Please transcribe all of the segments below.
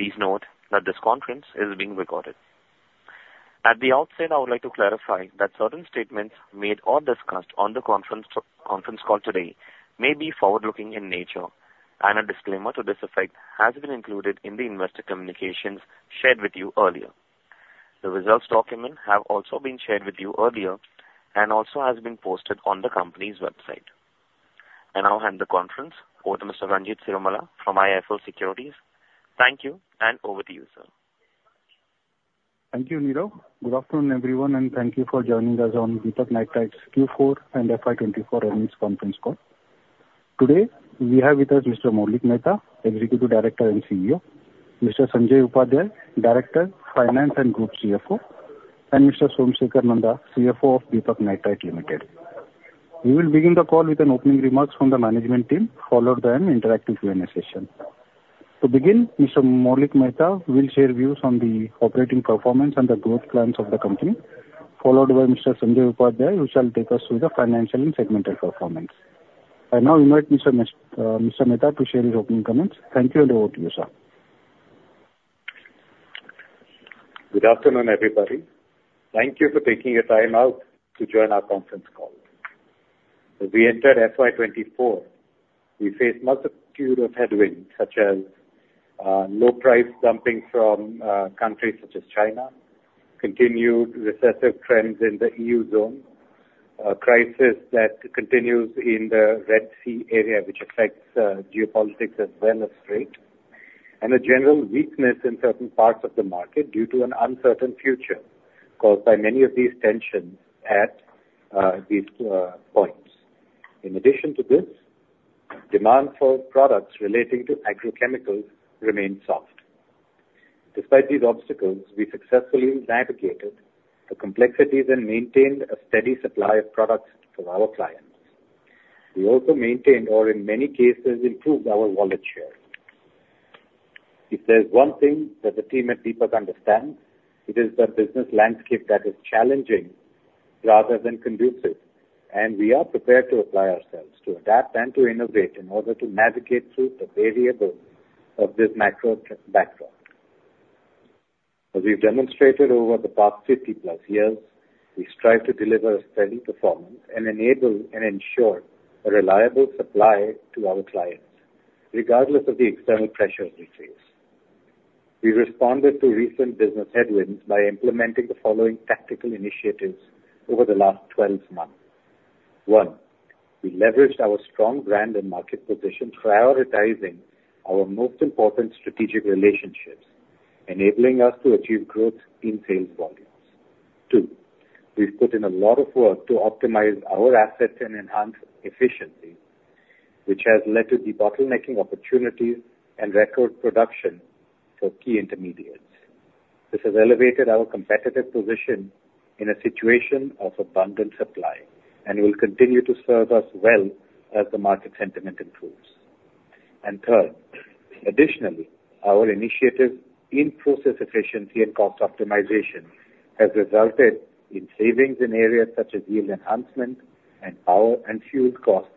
Please note that this conference is being recorded. At the outset, I would like to clarify that certain statements made or discussed on the conference call today may be forward-looking in nature, and a disclaimer to this effect has been included in the investor communications shared with you earlier. The results document have also been shared with you earlier and also has been posted on the company's website. I now hand the conference over to Mr. Ranjit Cirumalla from IIFL Securities. Thank you, and over to you, sir. Thank you, Nirav. Good afternoon, everyone, and thank you for joining us on Deepak Nitrite's Q4 and FY 2024 earnings conference call. Today, we have with us Mr. Maulik Mehta, Executive Director and CEO; Mr. Sanjay Upadhyay, Director, Finance and Group CFO; and Mr. Som Sekhar Nanda, CFO of Deepak Nitrite Limited. We will begin the call with an opening remarks from the management team, followed by an interactive Q&A session. To begin, Mr. Maulik Mehta will share views on the operating performance and the growth plans of the company, followed by Mr. Sanjay Upadhyay, who shall take us through the financial and segmental performance. I now invite Mr. Mehta, to share his opening comments. Thank you, and over to you, sir. Good afternoon, everybody. Thank you for taking your time out to join our conference call. As we entered FY 2024, we faced multitude of headwinds, such as low price dumping from countries such as China, continued recessive trends in the EU zone, a crisis that continues in the Red Sea area, which affects geopolitics as well as trade, and a general weakness in certain parts of the market due to an uncertain future caused by many of these tensions at these points. In addition to this, demand for products relating to agrochemicals remained soft. Despite these obstacles, we successfully navigated the complexities and maintained a steady supply of products for our clients. We also maintained, or in many cases, improved our wallet share. If there's one thing that the team at Deepak understand, it is the business landscape that is challenging rather than conducive, and we are prepared to apply ourselves to adapt and to innovate in order to navigate through the variability of this macro backdrop. As we've demonstrated over the past 50 plus years, we strive to deliver a steady performance and enable and ensure a reliable supply to our clients, regardless of the external pressures we face. We responded to recent business headwinds by implementing the following tactical initiatives over the last 12 months. One, we leveraged our strong brand and market position, prioritizing our most important strategic relationships, enabling us to achieve growth in sales volumes. Two, we've put in a lot of work to optimize our assets and enhance efficiency, which has led to debottlenecking opportunities and record production for key intermediates. This has elevated our competitive position in a situation of abundant supply and will continue to serve us well as the market sentiment improves. Third, additionally, our initiatives in process efficiency and cost optimization has resulted in savings in areas such as yield enhancement and power and fuel costs,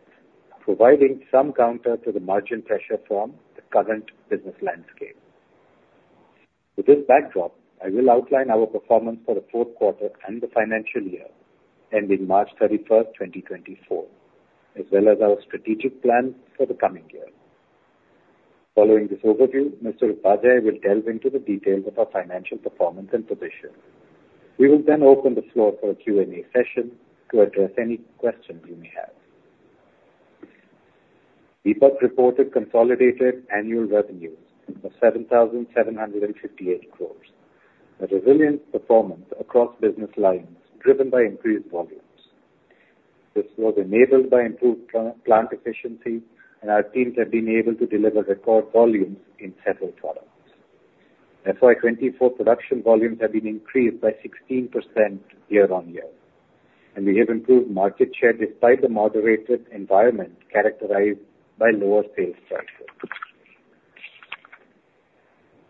providing some counter to the margin pressure from the current business landscape. With this backdrop, I will outline our performance for the fourth quarter and the financial year, ending March 31, 2024, as well as our strategic plans for the coming year. Following this overview, Mr. Upadhyay will delve into the details of our financial performance and position. We will then open the floor for a Q&A session to address any questions you may have. Deepak reported consolidated annual revenues of 7,758 crore, a resilient performance across business lines, driven by increased volumes. This was enabled by improved plant efficiency, and our teams have been able to deliver record volumes in several products. FY 2024 production volumes have been increased by 16% year-on-year, and we have improved market share despite the moderated environment characterized by lower sales prices.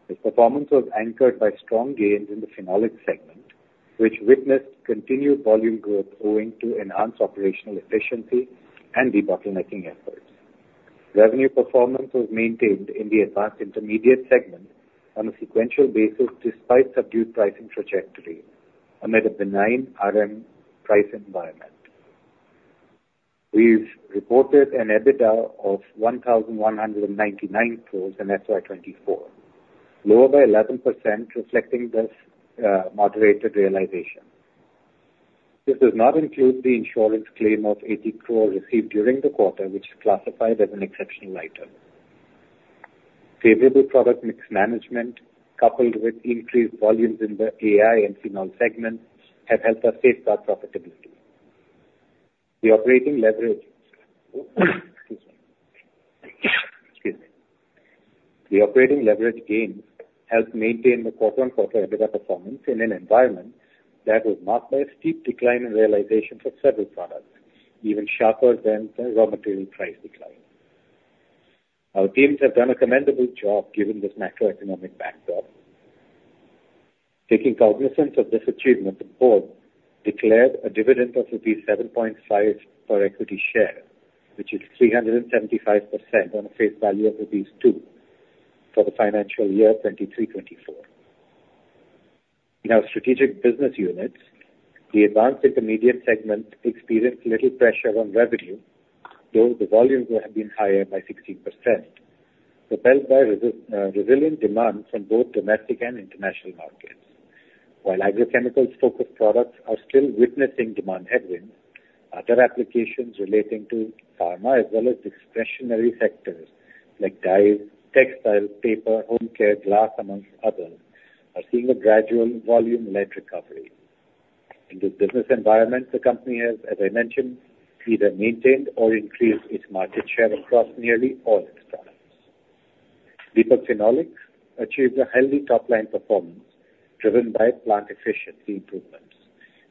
This performance was anchored by strong gains in the Phenolic segment, which witnessed continued volume growth owing to enhanced operational efficiency and debottlenecking efforts. Revenue performance was maintained in the Advanced Intermediates segment on a sequential basis, despite subdued pricing trajectory amid a benign RM price environment. We've reported an EBITDA of 1,199 crore in FY 2024, lower by 11%, reflecting this moderated realization. This does not include the insurance claim of 80 crore received during the quarter, which is classified as an exceptional item. Favorable product mix management, coupled with increased volumes in the AI and phenol segments, have helped us pace our profitability. The operating leverage gains helped maintain the quarter-on-quarter EBITDA performance in an environment that was marked by a steep decline in realization for several products, even sharper than the raw material price decline. Our teams have done a commendable job given this macroeconomic backdrop. Taking cognizance of this achievement, the board declared a dividend of rupees 7.5 per equity share, which is 375% on a face value of rupees 2 for the financial year 2023-24. In our strategic business units, the Advanced Intermediates segment experienced little pressure on revenue, though the volumes would have been higher by 16%, propelled by resilient demand from both domestic and international markets. While agrochemicals focused products are still witnessing demand headwinds, other applications relating to pharma, as well as discretionary sectors like dyes, textiles, paper, home care, glass, among others, are seeing a gradual volume-led recovery. In this business environment, the company has, as I mentioned, either maintained or increased its market share across nearly all its products. Deepak Phenolics achieved a healthy top-line performance, driven by plant efficiency improvements,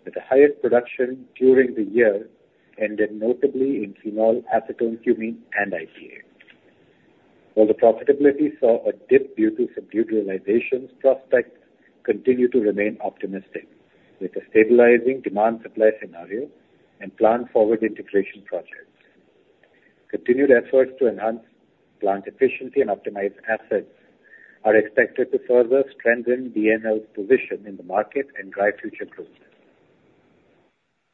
with the highest production during the year ended, notably in phenol, acetone, cumene and IPA. While the profitability saw a dip due to subdued realizations, prospects continue to remain optimistic with a stabilizing demand-supply scenario and planned forward integration projects. Continued efforts to enhance plant efficiency and optimize assets are expected to further strengthen DNL's position in the market and drive future growth.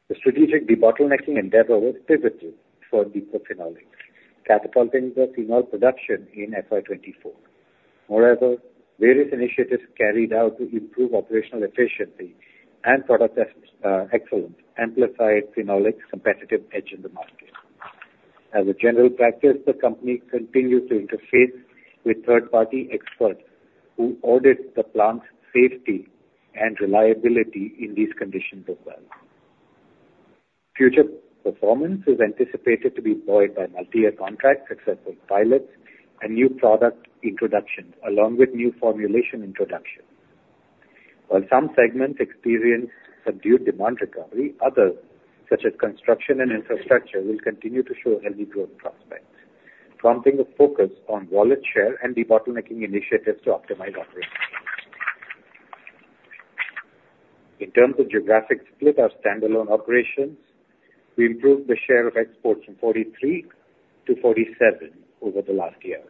The strategic debottlenecking endeavor was pivotal for Deepak Phenolics, catapulting the phenol production in FY 2024. Moreover, various initiatives carried out to improve operational efficiency and product excellence amplified Phenolics' competitive edge in the market. As a general practice, the company continues to interface with third-party experts who audit the plant's safety and reliability in these conditions as well. Future performance is anticipated to be buoyed by multi-year contracts, successful pilots, and new product introductions, along with new formulation introductions. While some segments experienced subdued demand recovery, others, such as construction and infrastructure, will continue to show healthy growth prospects, prompting a focus on wallet share and debottlenecking initiatives to optimize operations. In terms of geographic split, our standalone operations, we improved the share of exports from 43-47 over the last year.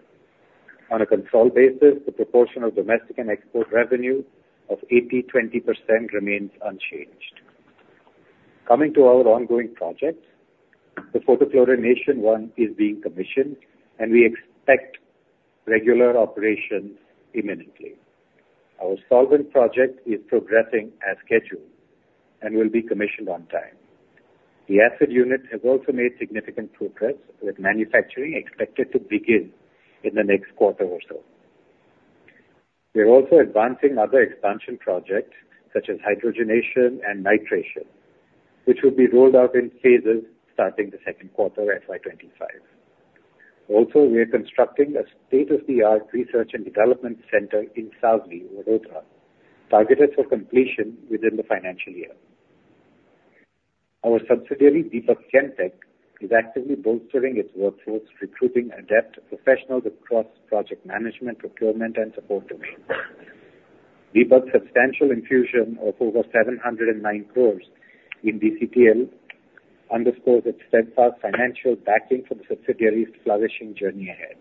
On a control basis, the proportion of domestic and export revenue of 80%, 20% remains unchanged. Coming to our ongoing projects, the Fluorination 1 is being commissioned, and we expect regular operations imminently. Our solvent project is progressing as scheduled and will be commissioned on time. The acid unit has also made significant progress, with manufacturing expected to begin in the next quarter or so. We are also advancing other expansion projects such as hydrogenation and nitration, which will be rolled out in phases starting the second quarter of FY 2025. Also, we are constructing a state-of-the-art research and development center in Savli, Vadodara, targeted for completion within the financial year. Our subsidiary, Deepak Chem Tech, is actively bolstering its workforce, recruiting adept professionals across project management, procurement and support domains. Deepak's substantial infusion of over 709 crore in DCPL underscores its steadfast financial backing for the subsidiary's flourishing journey ahead.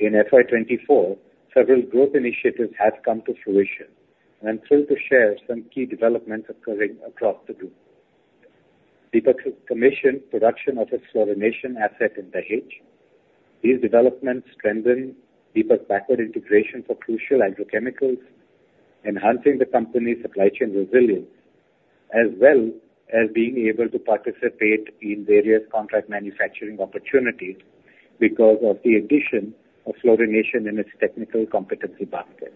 In FY 2024, several growth initiatives have come to fruition, and I'm thrilled to share some key developments occurring across the group. Deepak has commissioned production of its fluorination asset in Dahej. These developments strengthen Deepak's backward integration for crucial agrochemicals, enhancing the company's supply chain resilience, as well as being able to participate in various contract manufacturing opportunities because of the addition of fluorination in its technical competency basket.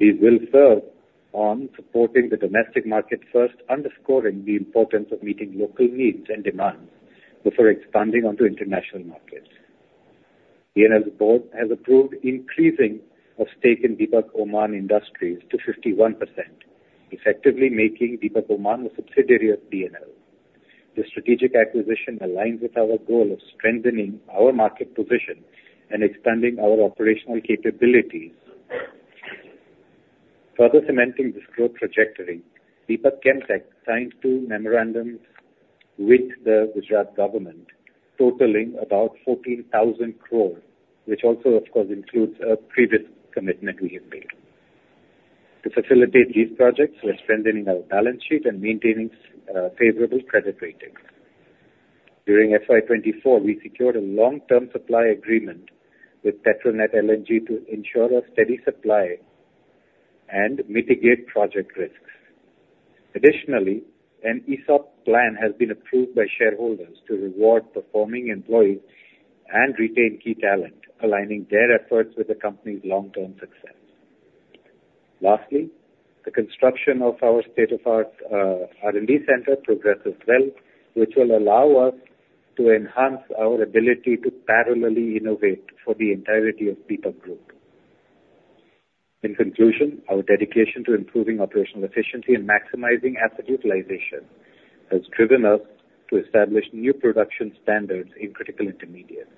We will serve on supporting the domestic market first, underscoring the importance of meeting local needs and demands before expanding onto international markets. DNL's board has approved increasing of stake in Deepak Oman Industries to 51%, effectively making Deepak Oman a subsidiary of DNL. This strategic acquisition aligns with our goal of strengthening our market position and expanding our operational capabilities. Further cementing this growth trajectory, Deepak Chem Tech signed two memorandums with the Gujarat government, totaling about 14,000 crore, which also, of course, includes a previous commitment we have made. To facilitate these projects, we're strengthening our balance sheet and maintaining favorable credit ratings. During FY 2024, we secured a long-term supply agreement with Petronet LNG to ensure a steady supply and mitigate project risks. Additionally, an ESOP plan has been approved by shareholders to reward performing employees and retain key talent, aligning their efforts with the company's long-term success. Lastly, the construction of our state-of-the-art R&D center progressed as well, which will allow us to enhance our ability to parallelly innovate for the entirety of Deepak Group. In conclusion, our dedication to improving operational efficiency and maximizing asset utilization has driven us to establish new production standards in critical intermediates.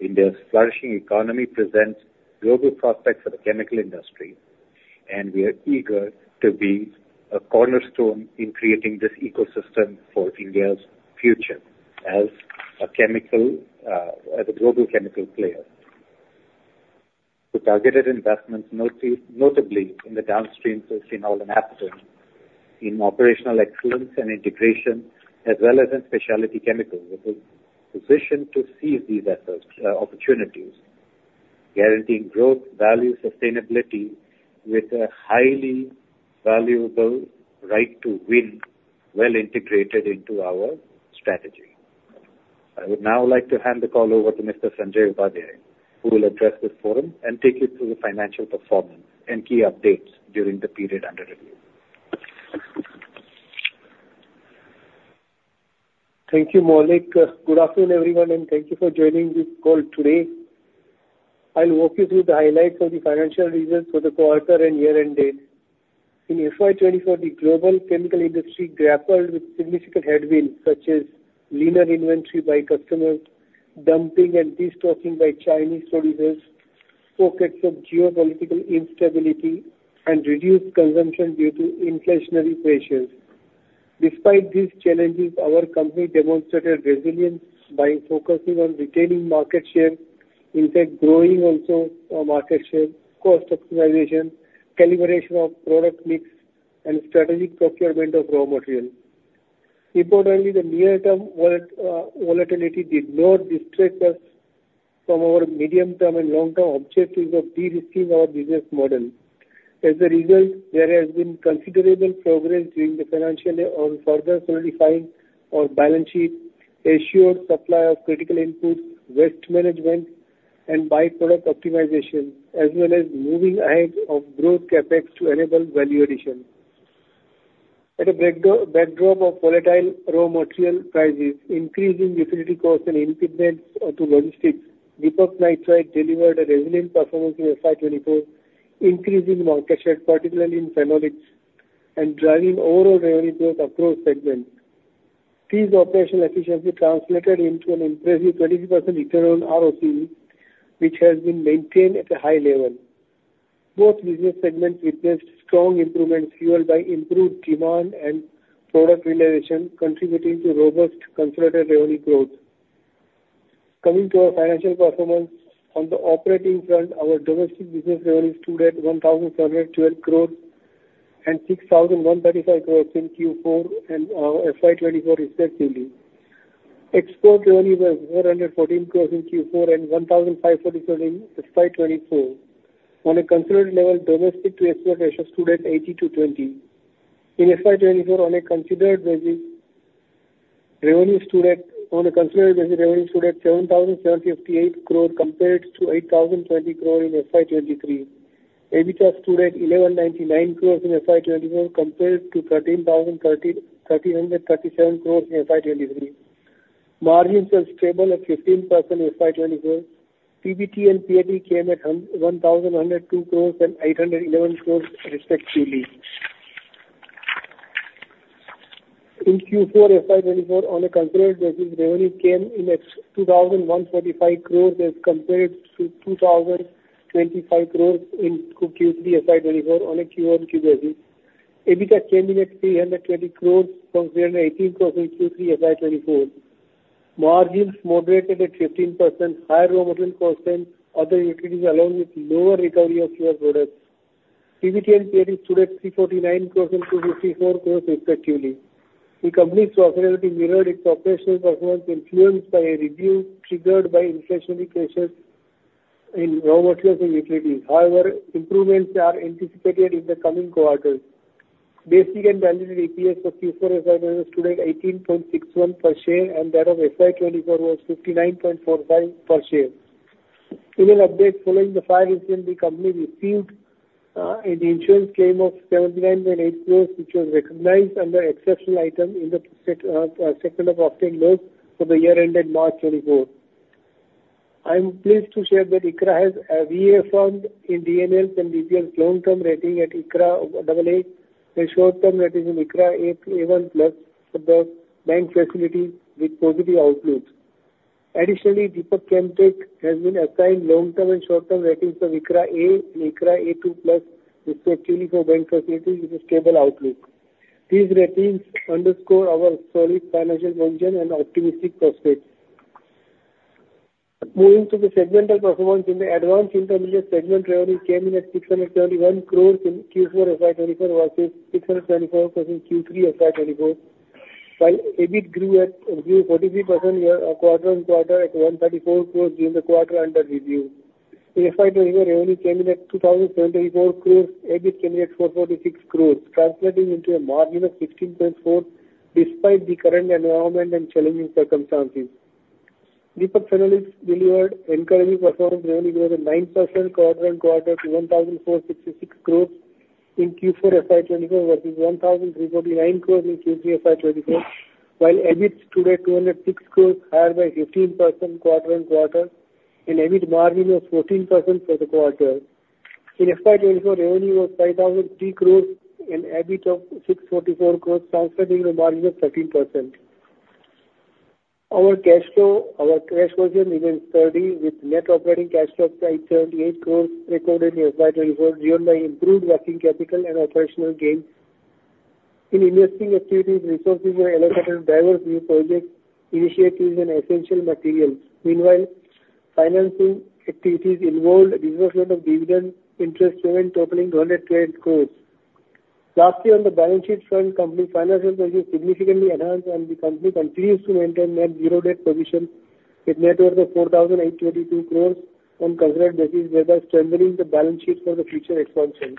India's flourishing economy presents global prospects for the chemical industry, and we are eager to be a cornerstone in creating this ecosystem for India's future as a chemical, as a global chemical player. The targeted investments, notably in the downstream phenol and acetone, in operational excellence and integration, as well as in specialty chemicals, we are positioned to seize these efforts, opportunities, guaranteeing growth, value, sustainability with a highly valuable right to win, well integrated into our strategy. I would now like to hand the call over to Mr. Sanjay Upadhyay, who will address this forum and take you through the financial performance and key updates during the period under review. Thank you, Maulik. Good afternoon, everyone, and thank you for joining this call today. I'll walk you through the highlights of the financial results for the quarter and year-end data. In FY 2024, the global chemical industry grappled with significant headwinds, such as leaner inventory by customers, dumping and destocking by Chinese producers, pockets of geopolitical instability, and reduced consumption due to inflationary pressures. Despite these challenges, our company demonstrated resilience by focusing on retaining market share, in fact, growing also our market share, cost optimization, calibration of product mix, and strategic procurement of raw material. Importantly, the near-term volatility did not distract us from our medium-term and long-term objectives of de-risking our business model. As a result, there has been considerable progress during the financial year on further solidifying our balance sheet, assured supply of critical inputs, waste management, and by-product optimization, as well as moving ahead of growth CapEx to enable value addition. At a backdrop of volatile raw material prices, increasing utility costs and impediments to logistics, Deepak Nitrite delivered a resilient performance in FY 2024, increasing market share, particularly in Phenolics, and driving overall revenue growth across segments. These operational efficiency translated into an impressive 23% return on ROCE, which has been maintained at a high level. Both business segments witnessed strong improvements, fueled by improved demand and product realization, contributing to robust consolidated revenue growth. Coming to our financial performance, on the operating front, our domestic business revenue stood at 1,712 crore and 6,135 crores in Q4 and FY 2024, respectively. Export revenue was 414 crores in Q4 and 1,547 in FY 2024. On a consolidated level, domestic to export ratio stood at 80-20. In FY 2024, on a considered basis, revenue stood at, on a considered basis, revenue stood at 7,758 crore compared to 8,020 crore in FY 2023. EBITDA stood at 1,199 crores in FY 2024 compared to 1,337 crores in FY 2023. Margins were stable at 15% in FY 2024. PBT and PAT came at one thousand one hundred and two crores and eight hundred and eleven crores, respectively. In Q4 FY 2024, on a consolidated basis, revenue came in at 2,145 crores as compared to 2,025 crores in Q3 FY 2024 on a QoQ basis. EBITDA came in at 320 crores from 318 crores in Q3 FY 2024. Margins moderated at 15%, higher raw material costs and other utilities, along with lower recovery of specialty products. PBT and PAT stood at 349 crores and 254 crores, respectively. The company's profitability mirrored its operational performance, influenced by a review triggered by inflationary pressures in raw materials and utilities. However, improvements are anticipated in the coming quarters. Basic and diluted EPS for Q4 FY 2024 stood at 18.61 per share, and that of FY 2024 was 59.45 per share. In an update following the fire incident, the company received an insurance claim of 79.8 crore, which was recognized under exceptional item in the second quarter operating P&L for the year ended March 2024. I am pleased to share that ICRA has reaffirmed DNL's and subsidiaries' long-term rating at [ICRA] AA, and short-term rating at [ICRA] A1+ for the bank facility with positive outlook. Additionally, Deepak Chem Tech has been assigned long-term and short-term ratings of [ICRA] A and [ICRA] A2+, respectively, for bank facilities with a stable outlook. These ratings underscore our solid financial position and optimistic prospects. Moving to the segmental performance, in the advanced intermediates segment, revenue came in at 631 crore in Q4 FY 2024 versus 634 crore in Q3 FY 2024. While EBIT grew 43% year... quarter-on-quarter at 134 crores during the quarter under review. In FY 2024, revenue came in at 2,074 crores. EBIT came in at 446 crores, translating into a margin of 16.4%, despite the current environment and challenging circumstances. Deepak Phenolics delivered encouraging performance, revenue grew at 9% quarter-on-quarter to 1,466 crores in Q4 FY 2024, versus 1,349 crores in Q3 FY 2024. While EBIT stood at 206 crores, higher by 15% quarter-on-quarter, an EBIT margin of 14% for the quarter.... In FY 2024, revenue was 5,003 crores and EBIT of 644 crores, translating a margin of 13%. Our cash flow, our cash position remains sturdy, with net operating cash flow of 538 crores recorded in FY 2024, driven by improved working capital and operational gains. In investing activities, resources were allocated to diverse new projects, initiatives and essential materials. Meanwhile, financing activities involved disbursement of dividend, interest payment totaling 212 crores. Lastly, on the balance sheet front, company's financial position significantly enhanced, and the company continues to maintain a zero debt position with net worth of 4,822 crores on consolidated basis, thereby strengthening the balance sheet for the future expansion.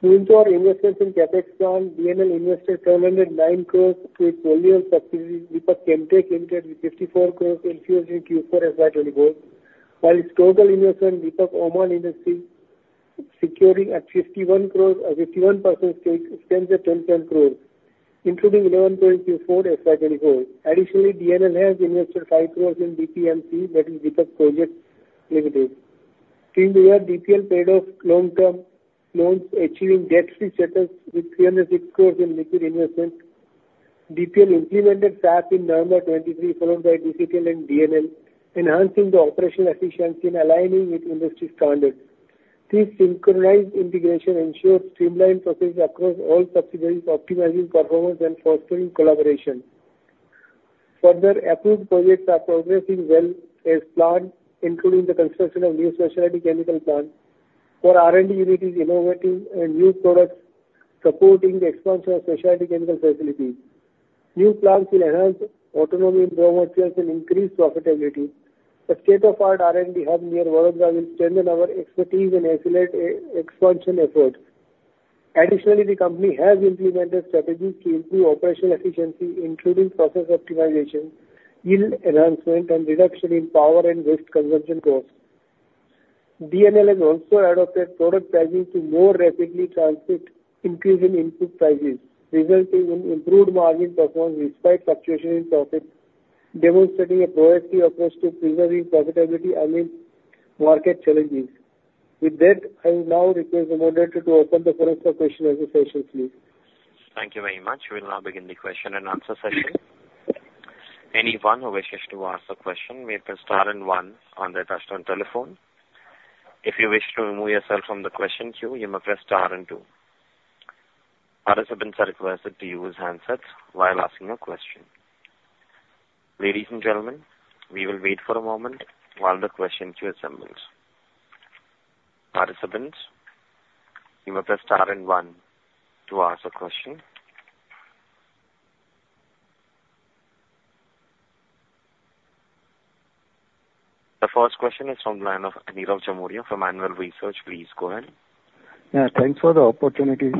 To ensure investments in CapEx plan, DNL invested INR 709 crore with fully owned subsidiaries, Deepak Chem Tech Limited, with INR 54 crore invested in Q4 FY 2024, while its total investment, Deepak Oman Industries, securing at 51 crore, 51% stake stands at 10 crore, including 11 crore Q4 FY 2024. Additionally, DNL has invested 5 crore in DPMP, that is, Deepak Projects Limited. During the year, DPL paid off long-term loans, achieving debt-free status with 306 crore in liquid investment. DPL implemented SAP in November 2023, followed by DCPL and DNL, enhancing the operational efficiency and aligning with industry standards. This synchronized integration ensures streamlined processes across all subsidiaries, optimizing performance and fostering collaboration. Further, approved projects are progressing well as planned, including the construction of new specialty chemical plant for R&D units, innovative and new products, supporting the expansion of specialty chemical facilities. New plants will enhance autonomy in raw materials and increase profitability. A state-of-the-art R&D hub near Vadodara will strengthen our expertise and accelerate expansion efforts. Additionally, the company has implemented strategies to improve operational efficiency, including process optimization, yield enhancement, and reduction in power and waste consumption costs. DNL has also adopted product pricing to more rapidly transmit increasing input prices, resulting in improved margin performance despite fluctuation in profit, demonstrating a proactive approach to preserving profitability amid market challenges. With that, I will now request the moderator to open the floor for question and answer session, please. Thank you very much. We'll now begin the question and answer session. Anyone who wishes to ask a question, may press star and one on their touchtone telephone. If you wish to remove yourself from the question queue, you must press star and two. Participants are requested to use handsets while asking a question. Ladies and gentlemen, we will wait for a moment while the question queue assembles. Participants, you may press star and one to ask a question. The first question is from the line of Nirav Jimudia from Anvil Research. Please go ahead. Yeah, thanks for the opportunity,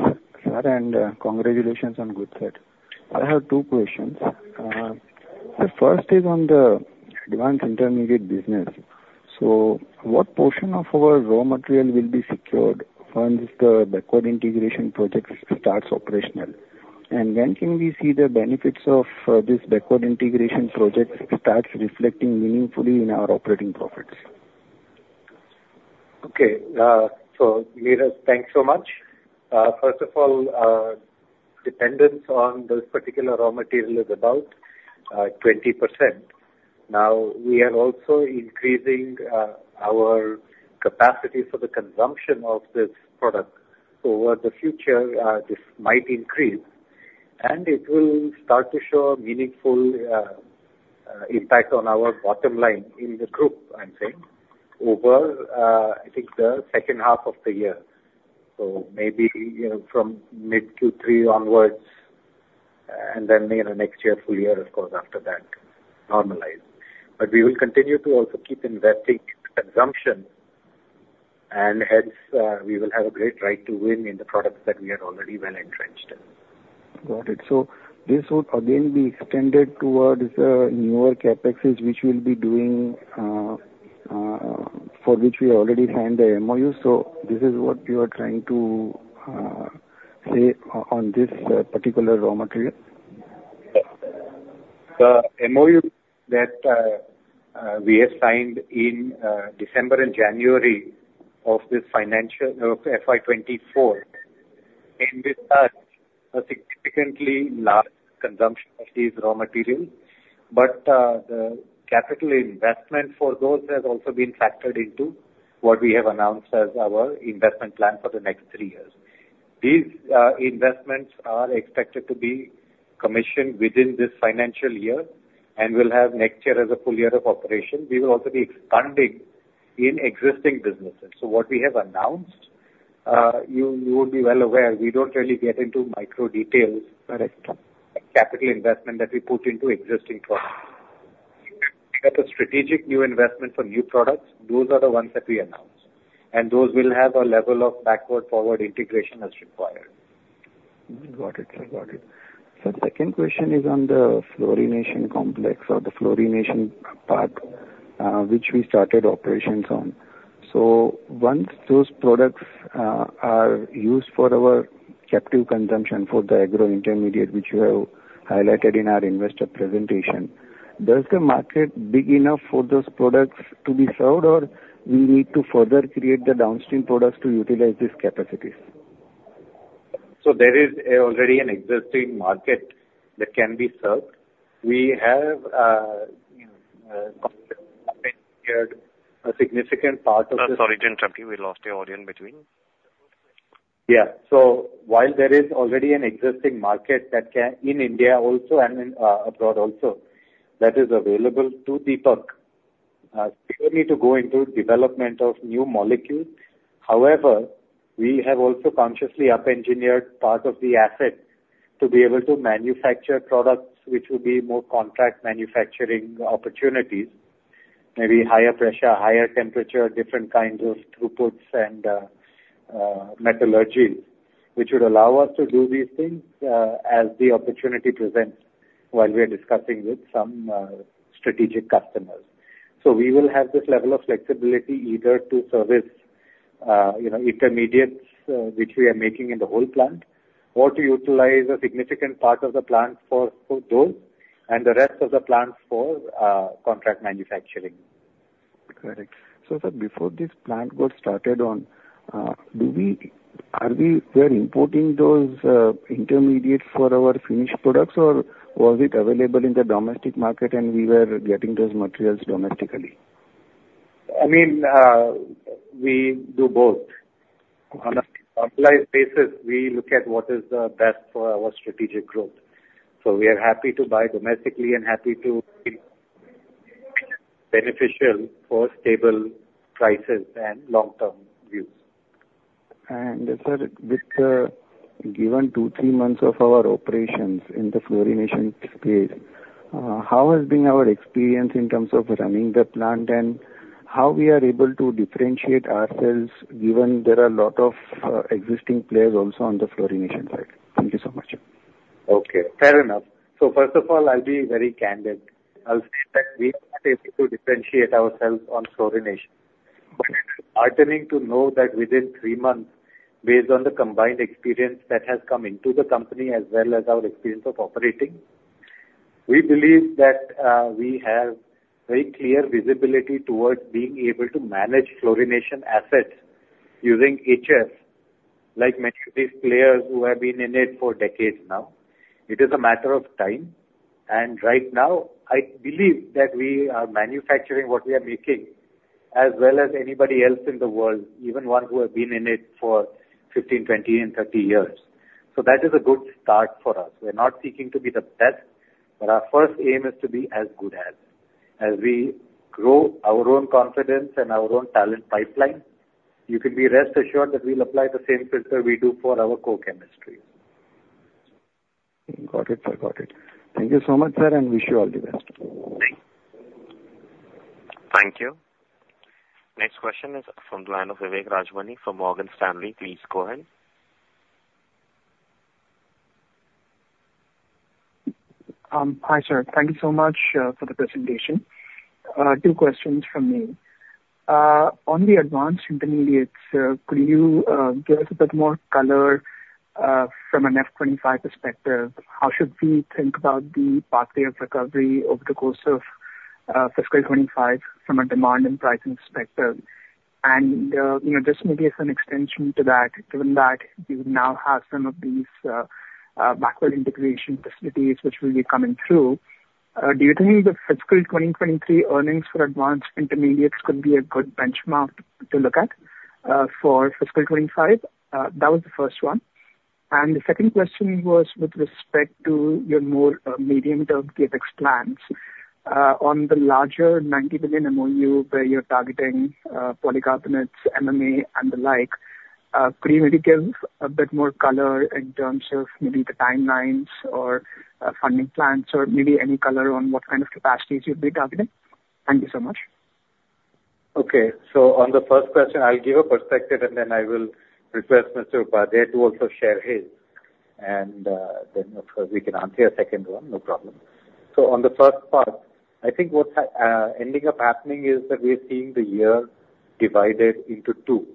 sir, and congratulations on good third. I have two questions. The first is on the Advanced Intermediates business. So what portion of our raw material will be secured once the Backward Integration project starts operational? And when can we see the benefits of this Backward Integration project starts reflecting meaningfully in our operating profits? Okay. So Nirav, thanks so much. First of all, dependence on this particular raw material is about 20%. Now, we are also increasing our capacity for the consumption of this product. Over the future, this might increase, and it will start to show a meaningful impact on our bottom line in the group, I'm saying, over I think the second half of the year. So maybe, you know, from mid-Q3 onwards, and then, you know, next year, full year, of course, after that, normalize. But we will continue to also keep investing consumption, and hence, we will have a great right to win in the products that we are already well entrenched in. Got it. So this would again be extended towards newer CapExes, which we'll be doing, for which we already signed the MOU. So this is what you are trying to say on this particular raw material? The MOU that we have signed in December and January of this financial FY 2024, aim with a significantly large consumption of these raw materials. But the capital investment for those has also been factored into what we have announced as our investment plan for the next three years. These investments are expected to be commissioned within this financial year and will have next year as a full year of operation. We will also be expanding in existing businesses. So what we have announced, you would be well aware, we don't really get into micro details- Correct. of capital investment that we put into existing products. But the strategic new investment for new products, those are the ones that we announce, and those will have a level of backward/forward integration as required. Got it. I got it. So the second question is on the fluorination complex or the fluorination part, which we started operations on. So once those products are used for our captive consumption for the agro intermediate, which you have highlighted in our investor presentation. Does the market big enough for those products to be served, or we need to further create the downstream products to utilize these capacities? There is already an existing market that can be served. We have, you know, a significant part of the- Sir, sorry to interrupt you. We lost your audio in between. Yeah. So while there is already an existing market that can in India also and in abroad also, that is available to Deepak, we don't need to go into development of new molecules. However, we have also consciously up-engineered part of the asset to be able to manufacture products which will be more contract manufacturing opportunities, maybe higher pressure, higher temperature, different kinds of throughputs and metallurgy, which would allow us to do these things as the opportunity presents while we are discussing with some strategic customers. So we will have this level of flexibility either to service you know intermediates which we are making in the whole plant, or to utilize a significant part of the plant for those and the rest of the plant for contract manufacturing. Correct. So, sir, before this plant got started on, are we, we're importing those intermediates for our finished products, or was it available in the domestic market and we were getting those materials domestically? I mean, we do both. On a centralized basis, we look at what is the best for our strategic growth. So we are happy to buy domestically and happy it's beneficial for stable prices and long-term views. Sir, this, given two, three months of our operations in the fluorination space, how has been our experience in terms of running the plant, and how we are able to differentiate ourselves, given there are a lot of existing players also on the fluorination side? Thank you so much. Okay, fair enough. So first of all, I'll be very candid. I'll say that we are not able to differentiate ourselves on fluorination. But heartening to know that within three months, based on the combined experience that has come into the company as well as our experience of operating, we believe that, we have very clear visibility towards being able to manage fluorination assets using HSE, like many of these players who have been in it for decades now. It is a matter of time, and right now, I believe that we are manufacturing what we are making, as well as anybody else in the world, even ones who have been in it for 15, 20 and 30 years. So that is a good start for us. We're not seeking to be the best, but our first aim is to be as good as. As we grow our own confidence and our own talent pipeline, you can be rest assured that we'll apply the same filter we do for our core chemistry. Got it, sir. Got it. Thank you so much, sir, and wish you all the best. Thank you. Thank you. Next question is from the line of Vivek Rajamani from Morgan Stanley. Please go ahead. Hi, sir. Thank you so much for the presentation. Two questions from me. On the Advanced Intermediates, could you give us a bit more color from an FY 2025 perspective? How should we think about the pathway of recovery over the course of fiscal 2025 from a demand and pricing perspective? And you know, just maybe as an extension to that, given that you now have some of these backward integration facilities which will be coming through, do you think the fiscal 2023 earnings for Advanced Intermediates could be a good benchmark to look at for fiscal 2025? That was the first one. And the second question was with respect to your more medium-term CapEx plans. On the larger 90 billion MOU, where you're targeting polycarbonates, MMA and the like, could you maybe give a bit more color in terms of maybe the timelines or funding plans, or maybe any color on what kind of capacities you'd be targeting? Thank you so much. Okay. So on the first question, I'll give a perspective, and then I will request Mr. Upadhyay to also share his. And then of course, we can answer your second one, no problem. So on the first part, I think what ending up happening is that we are seeing the year divided into two.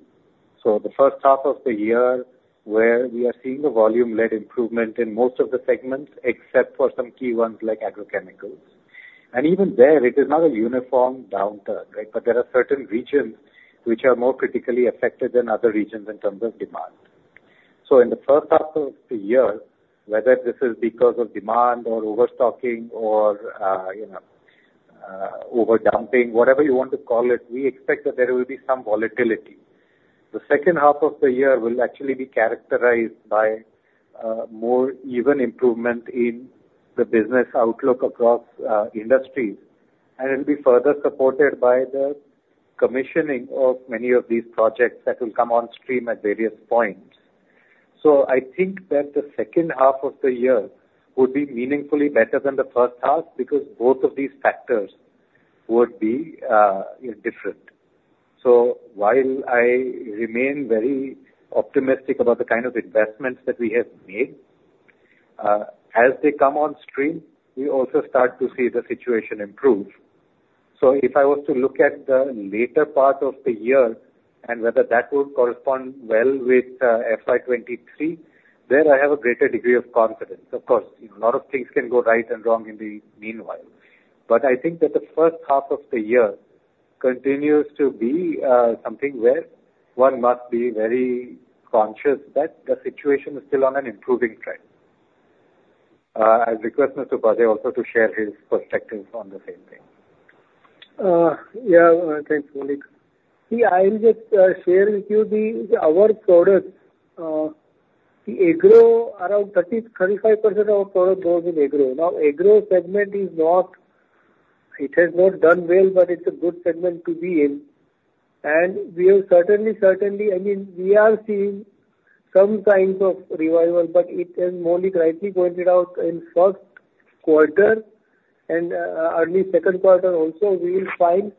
So the first half of the year, where we are seeing the volume-led improvement in most of the segments, except for some key ones like agrochemicals. And even there, it is not a uniform downturn, right? But there are certain regions which are more critically affected than other regions in terms of demand. So in the first half of the year, whether this is because of demand or overstocking or, you know, over dumping, whatever you want to call it, we expect that there will be some volatility. The second half of the year will actually be characterized by more even improvement in the business outlook across industries, and it'll be further supported by the commissioning of many of these projects that will come on stream at various points. So I think that the second half of the year will be meaningfully better than the first half, because both of these factors would be different. So while I remain very optimistic about the kind of investments that we have made as they come on stream, we also start to see the situation improve. So if I was to look at the later part of the year, and whether that would correspond well with FY 2023, then I have a greater degree of confidence. Of course, you know, a lot of things can go right and wrong in the meanwhile. But I think that the first half of the year continues to be something where one must be very conscious that the situation is still on an improving trend. I request Mr. Upadhyay also to share his perspectives on the same thing. Yeah. Thanks, Maulik. See, I'll just share with you our products. The agro, around 30%-35% of our product goes in agro. Now, agro segment is not, it has not done well, but it's a good segment to be in. And we have certainly, certainly. I mean, we are seeing some signs of revival, but it has, Maulik rightly pointed out, in first quarter, and early second quarter also, we will find,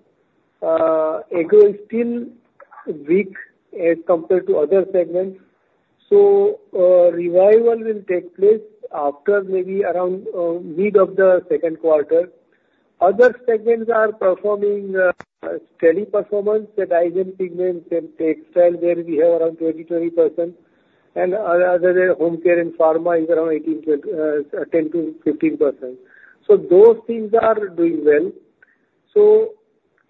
agro is still weak as compared to other segments. So, revival will take place after maybe around mid of the second quarter. Other segments are performing steady performance, the dyes and pigments and textile, where we have around 20%, 20%. And other, home care and pharma is around 10%-15%. So those things are doing well. So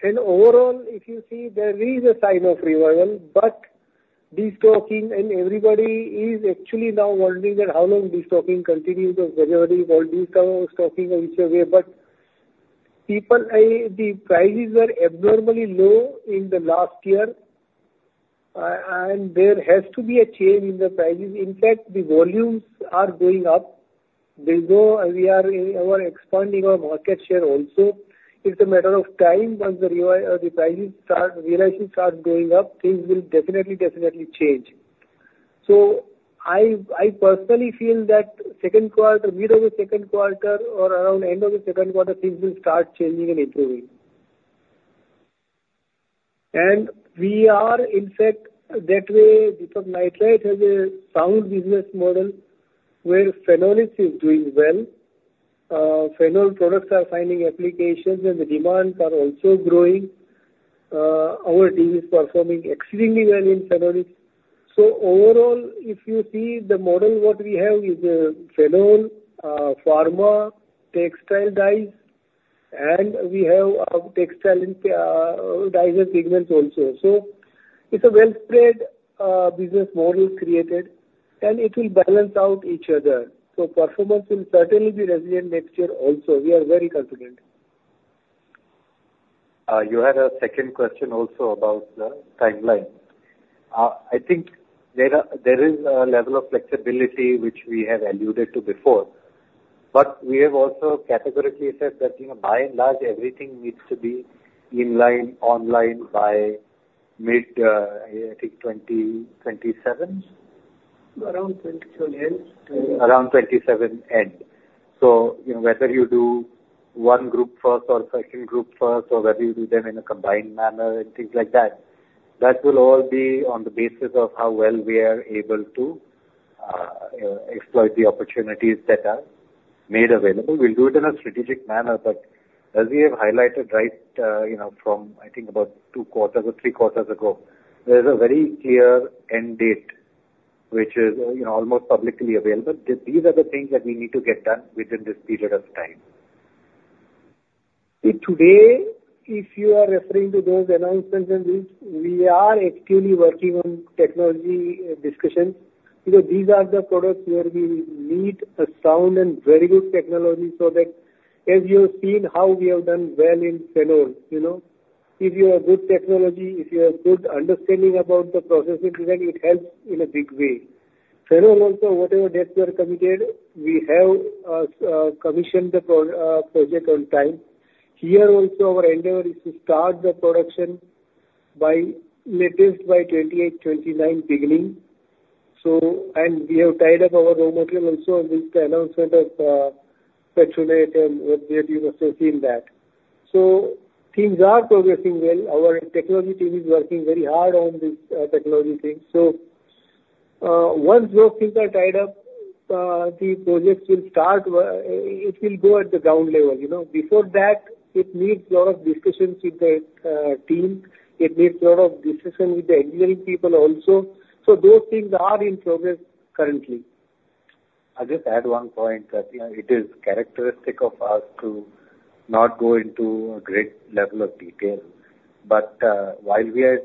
in overall, if you see, there is a sign of revival, but destocking and everybody is actually now wondering that how long destocking continues, or whether volume come or stocking will stay away. But people, the prices were abnormally low in the last year, and there has to be a change in the prices. In fact, the volumes are going up. We are expanding our market share also. It's a matter of time once the prices start, realization starts going up, things will definitely, definitely change. So I, I personally feel that second quarter, mid of the second quarter or around end of the second quarter, things will start changing and improving. And we are, in fact, that way, because nitrite has a sound business model, where Phenolics is doing well. Phenol products are finding applications, and the demands are also growing. Our team is performing extremely well in Phenolics. So overall, if you see the model, what we have is a phenol, pharma, textile dyes, and we have, textile and, dyes and pigments also. So it's a well spread, business model created, and it will balance out each other. So performance will certainly be resilient next year also. We are very confident. You had a second question also about the timeline. I think there is a level of flexibility which we have alluded to before, but we have also categorically said that, you know, by and large, everything needs to be in line, online by mid-2027? Around 2027 end. Around 2027 end. So, you know, whether you do one group first or second group first, or whether you do them in a combined manner and things like that, that will all be on the basis of how well we are able to exploit the opportunities that are made available. We'll do it in a strategic manner, but as we have highlighted, right, you know, from, I think about two quarters or three quarters ago, there's a very clear end date, which is, you know, almost publicly available. These are the things that we need to get done within this period of time. See, today, if you are referring to those announcements and things, we are actively working on technology discussions, because these are the products where we need a sound and very good technology, so that as you've seen how we have done well in phenol, you know. If you have good technology, if you have good understanding about the process design, it helps in a big way. phenol also, whatever dates were committed, we have commissioned the project on time. Here also, our endeavor is to start the production by, latest by 2028, 2029 beginning. So, and we have tied up our raw material also with the announcement of Petronet and you have also seen that. So things are progressing well. Our technology team is working very hard on this technology thing. So, once those things are tied up, the projects will start, it will go at the ground level, you know. Before that, it needs a lot of discussions with the team. It needs a lot of discussion with the engineering people also. So those things are in progress currently. I'll just add one point, that, yeah, it is characteristic of us to not go into a great level of detail. But while we are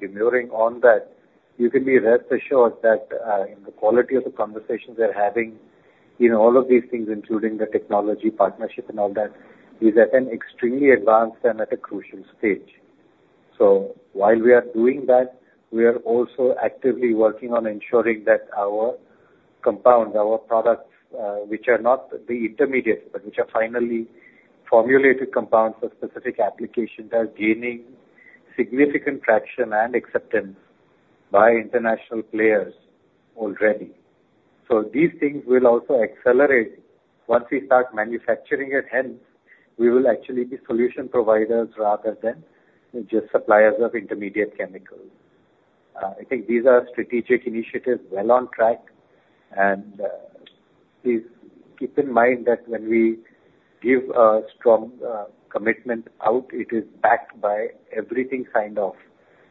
demurring on that, you can be rest assured that the quality of the conversations we're having in all of these things, including the technology, partnership and all that, is at an extremely advanced and at a crucial stage. So while we are doing that, we are also actively working on ensuring that our compounds, our products, which are not the intermediates, but which are finally formulated compounds for specific applications, are gaining significant traction and acceptance by international players already. So these things will also accelerate. Once we start manufacturing at hand, we will actually be solution providers rather than just suppliers of intermediate chemicals. I think these are strategic initiatives well on track. Please keep in mind that when we give a strong commitment out, it is backed by everything kind of,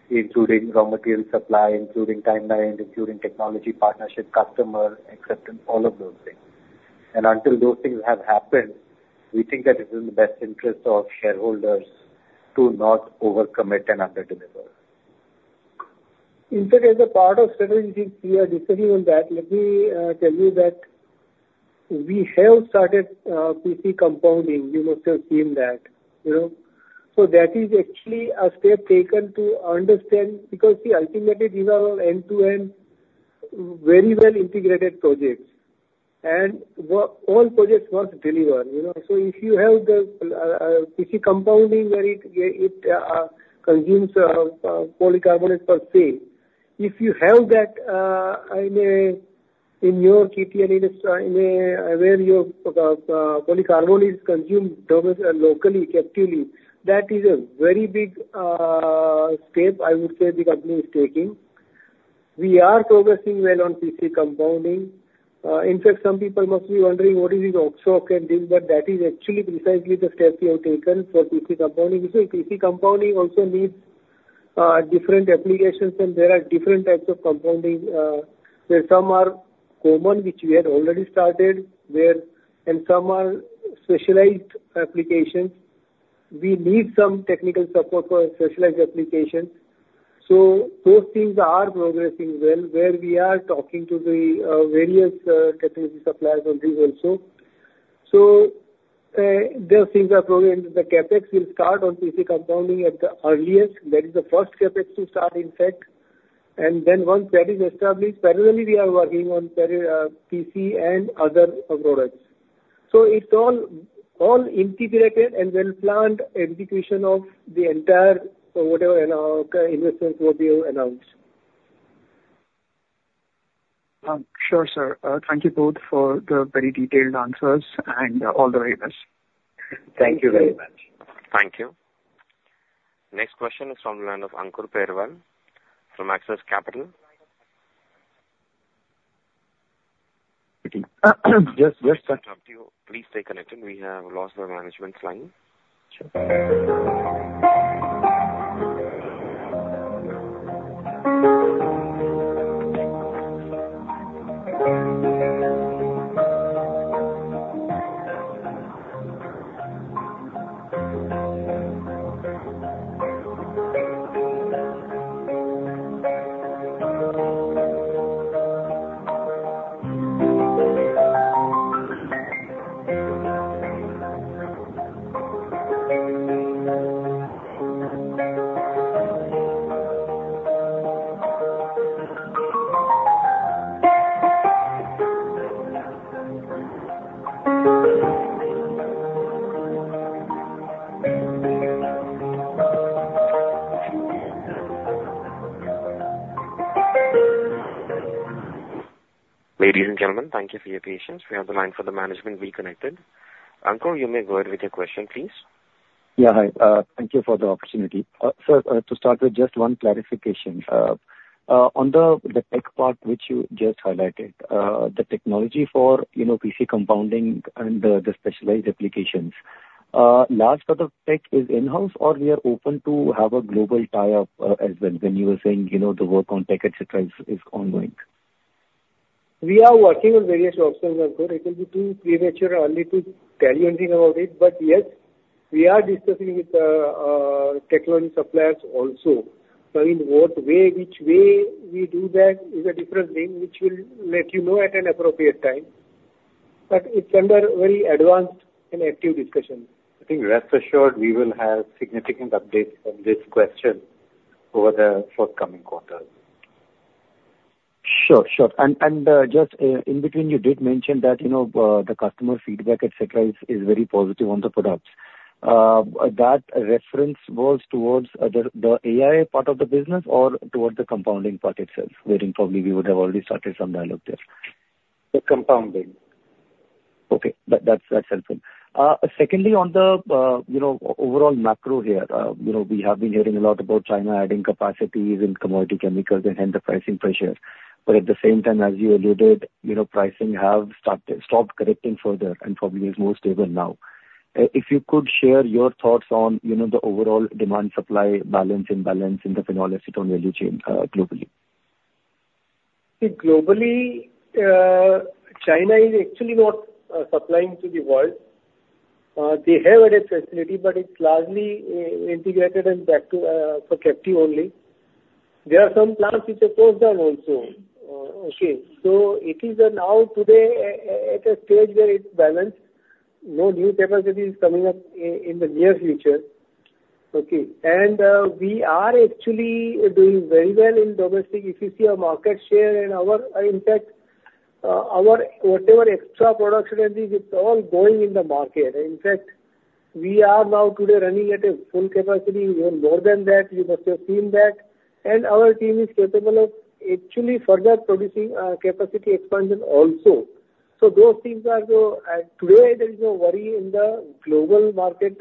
including raw material supply, including timeline, including technology, partnership, customer acceptance, all of those things. Until those things have happened, we think that it's in the best interest of shareholders to not overcommit and under-deliver. In fact, as a part of strategy, we are discussing on that. Let me tell you that we have started PC compounding. You must have seen that, you know. So that is actually a step taken to understand, because see, ultimately, these are all end-to-end, very well integrated projects, and all projects must deliver, you know. So if you have the PC compounding, where it consumes polycarbonate per se, if you have that, in a, in your captive industry, in a, where your polycarbonate is consumed domestically, locally, captively, that is a very big step I would say the company is taking. We are progressing well on PC compounding. In fact, some people must be wondering, what is this? But that is actually precisely the step we have taken for PC compounding. You see, PC compounding also needs different applications, and there are different types of compounding, where some are common, which we had already started, where some are specialized applications. We need some technical support for specialized applications. So those things are progressing well, where we are talking to the various technology suppliers on this also. So those things are programmed. The CapEx will start on PC compounding at the earliest. That is the first CapEx to start, in fact. And then once that is established, parallelly we are working on pure PC and other products. So it's all integrated and well-planned execution of the entire, whatever in our investment what we have announced. Sure, sir. Thank you both for the very detailed answers and all the awareness. Thank you very much. Thank you. Thank you. Next question is from the line of Ankur Periwal from Axis Capital. Yes, yes, sir. Please stay connected. We have lost our management's line. Ladies and gentlemen, thank you for your patience. We have the line for the management reconnected. Ankur, you may go ahead with your question, please. Yeah, hi. Thank you for the opportunity. So, to start with, just one clarification. On the tech part, which you just highlighted, the technology for, you know, PC compounding and the specialized applications, large part of tech is in-house, or we are open to have a global tie-up, as well, when you were saying, you know, the work on tech, et cetera, is ongoing? We are working on various options as well. It will be too premature or early to tell you anything about it, but yes, we are discussing with technology suppliers also. So in what way, which way we do that is a different thing, which we'll let you know at an appropriate time. But it's under very advanced and active discussion. I think, rest assured, we will have significant updates on this question over the forthcoming quarters. Sure, sure. And, and, just, in between, you did mention that, you know, the customer feedback, et cetera, is very positive on the products. That reference was towards the AI part of the business or towards the compounding part itself, wherein probably we would have already started some dialogue there? The compounding. Okay. That's helpful. Secondly, on the overall macro here, you know, we have been hearing a lot about China adding capacities in commodity chemicals and hence the pricing pressure. But at the same time, as you alluded, you know, pricing has stopped correcting further and probably is more stable now. If you could share your thoughts on, you know, the overall demand-supply balance, imbalance in the phenol acetone value chain globally. See, globally, China is actually not supplying to the world. They have added facility, but it's largely integrated and backward, for captive only. There are some plants which are closed down also. Okay, so it is now today at a stage where it's balanced. No new capacity is coming up in the near future. Okay? And we are actually doing very well in domestic. If you see our market share and our... In fact, our whatever extra production is all going in the market. In fact, we are now today running at a full capacity, even more than that. You must have seen that. And our team is capable of actually further producing capacity expansion also. ...So those things are the, today there is no worry in the global market,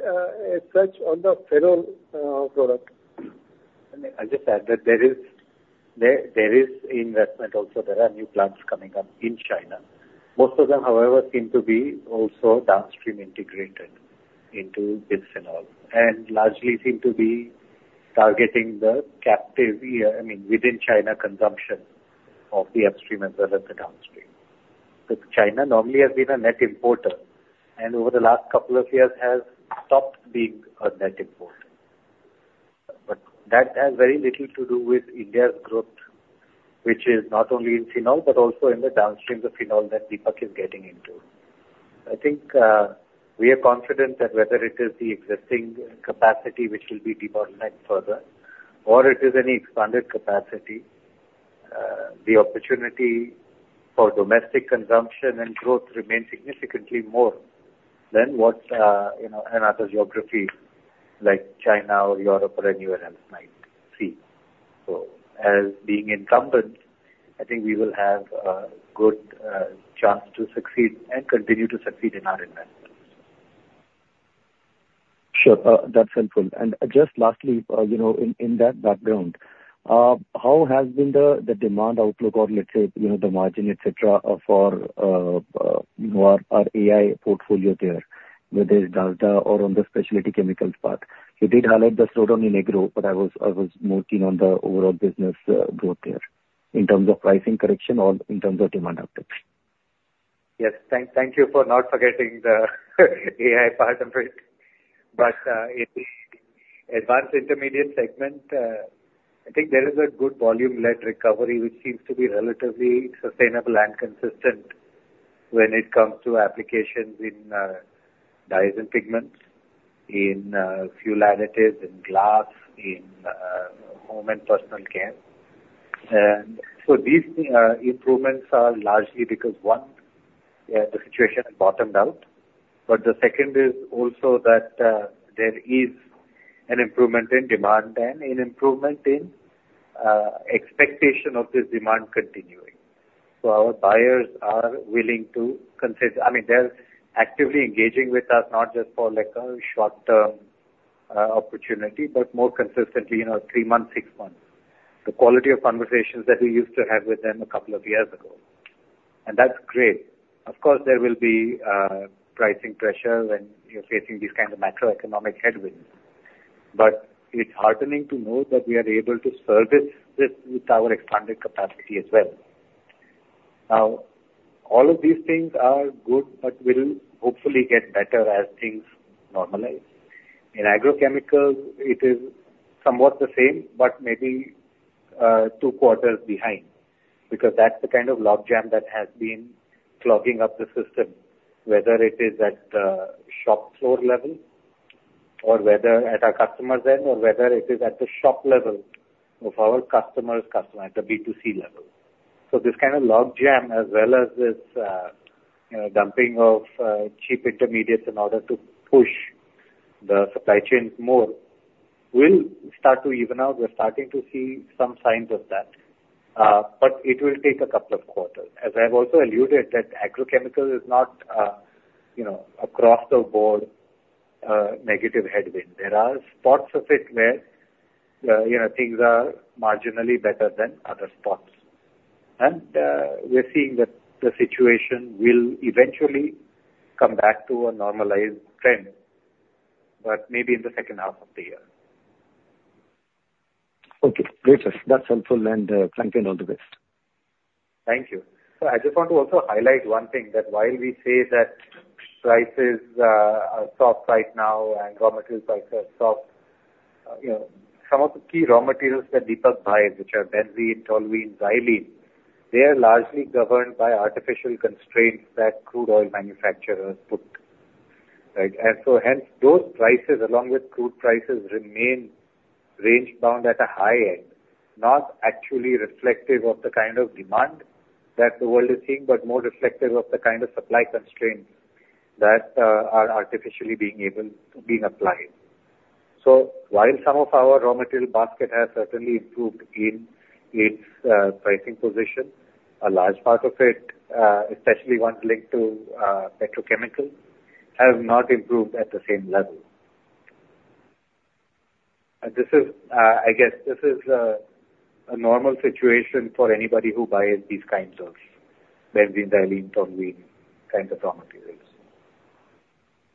as such, on the phenol product. And I'll just add that there is investment also, there are new plants coming up in China. Most of them, however, seem to be also downstream integrated into this phenol, and largely seem to be targeting the captive, I mean, within China, consumption of the upstream as well as the downstream. But China normally has been a net importer, and over the last couple of years has stopped being a net importer. But that has very little to do with India's growth, which is not only in phenol, but also in the downstream of phenol that Deepak is getting into. I think, we are confident that whether it is the existing capacity which will be debottlenecked further, or it is an expanded capacity, the opportunity for domestic consumption and growth remains significantly more than what, you know, in other geographies like China or Europe or anywhere else might see. So as being incumbent, I think we will have a good chance to succeed and continue to succeed in our investments. Sure, that's helpful. And just lastly, you know, in that background, how has been the demand outlook or let's say, you know, the margin, et cetera, for you know, our AI portfolio there, whether it's DASDA or on the specialty chemicals part? You did highlight the slowdown in agro, but I was more keen on the overall business growth there, in terms of pricing correction or in terms of demand outlook. Yes, thank you for not forgetting the AI part of it. But, in the Advanced Intermediates segment, I think there is a good volume-led recovery, which seems to be relatively sustainable and consistent when it comes to applications in dyes and pigments, in fuel additives, in glass, in home and personal care. And so these improvements are largely because, one, the situation has bottomed out, but the second is also that there is an improvement in demand and an improvement in expectation of this demand continuing. So our buyers are willing to consider... I mean, they're actively engaging with us, not just for, like, a short-term opportunity, but more consistently, you know, three months, six months, the quality of conversations that we used to have with them a couple of years ago, and that's great. Of course, there will be pricing pressures when you're facing these kind of macroeconomic headwinds, but it's heartening to know that we are able to service this with our expanded capacity as well. Now, all of these things are good, but will hopefully get better as things normalize. In agrochemicals, it is somewhat the same, but maybe two quarters behind, because that's the kind of logjam that has been clogging up the system, whether it is at the shop floor level or whether at our customer's end, or whether it is at the shop level of our customer's customer, at the B2C level. So this kind of logjam, as well as this, you know, dumping of cheap intermediates in order to push the supply chains more, will start to even out. We're starting to see some signs of that, but it will take a couple of quarters. As I have also alluded, that agrochemicals is not, you know, across the board, negative headwind. There are spots of it where, you know, things are marginally better than other spots. And, we're seeing that the situation will eventually come back to a normalized trend, but maybe in the second half of the year. Okay, great. That's helpful. Thank you, and all the best. Thank you. So I just want to also highlight one thing, that while we say that prices are soft right now and raw material prices are soft, you know, some of the key raw materials that Deepak buys, which are benzene, toluene, xylene, they are largely governed by artificial constraints that crude oil manufacturers put, right? And so hence, those prices, along with crude prices, remain range-bound at the high end, not actually reflective of the kind of demand that the world is seeing, but more reflective of the kind of supply constraints that are artificially being able to be applied. So while some of our raw material basket has certainly improved in its pricing position, a large part of it, especially ones linked to petrochemical, has not improved at the same level. This is, I guess this is, a normal situation for anybody who buys these kinds of benzene, xylene, toluene, kinds of raw materials.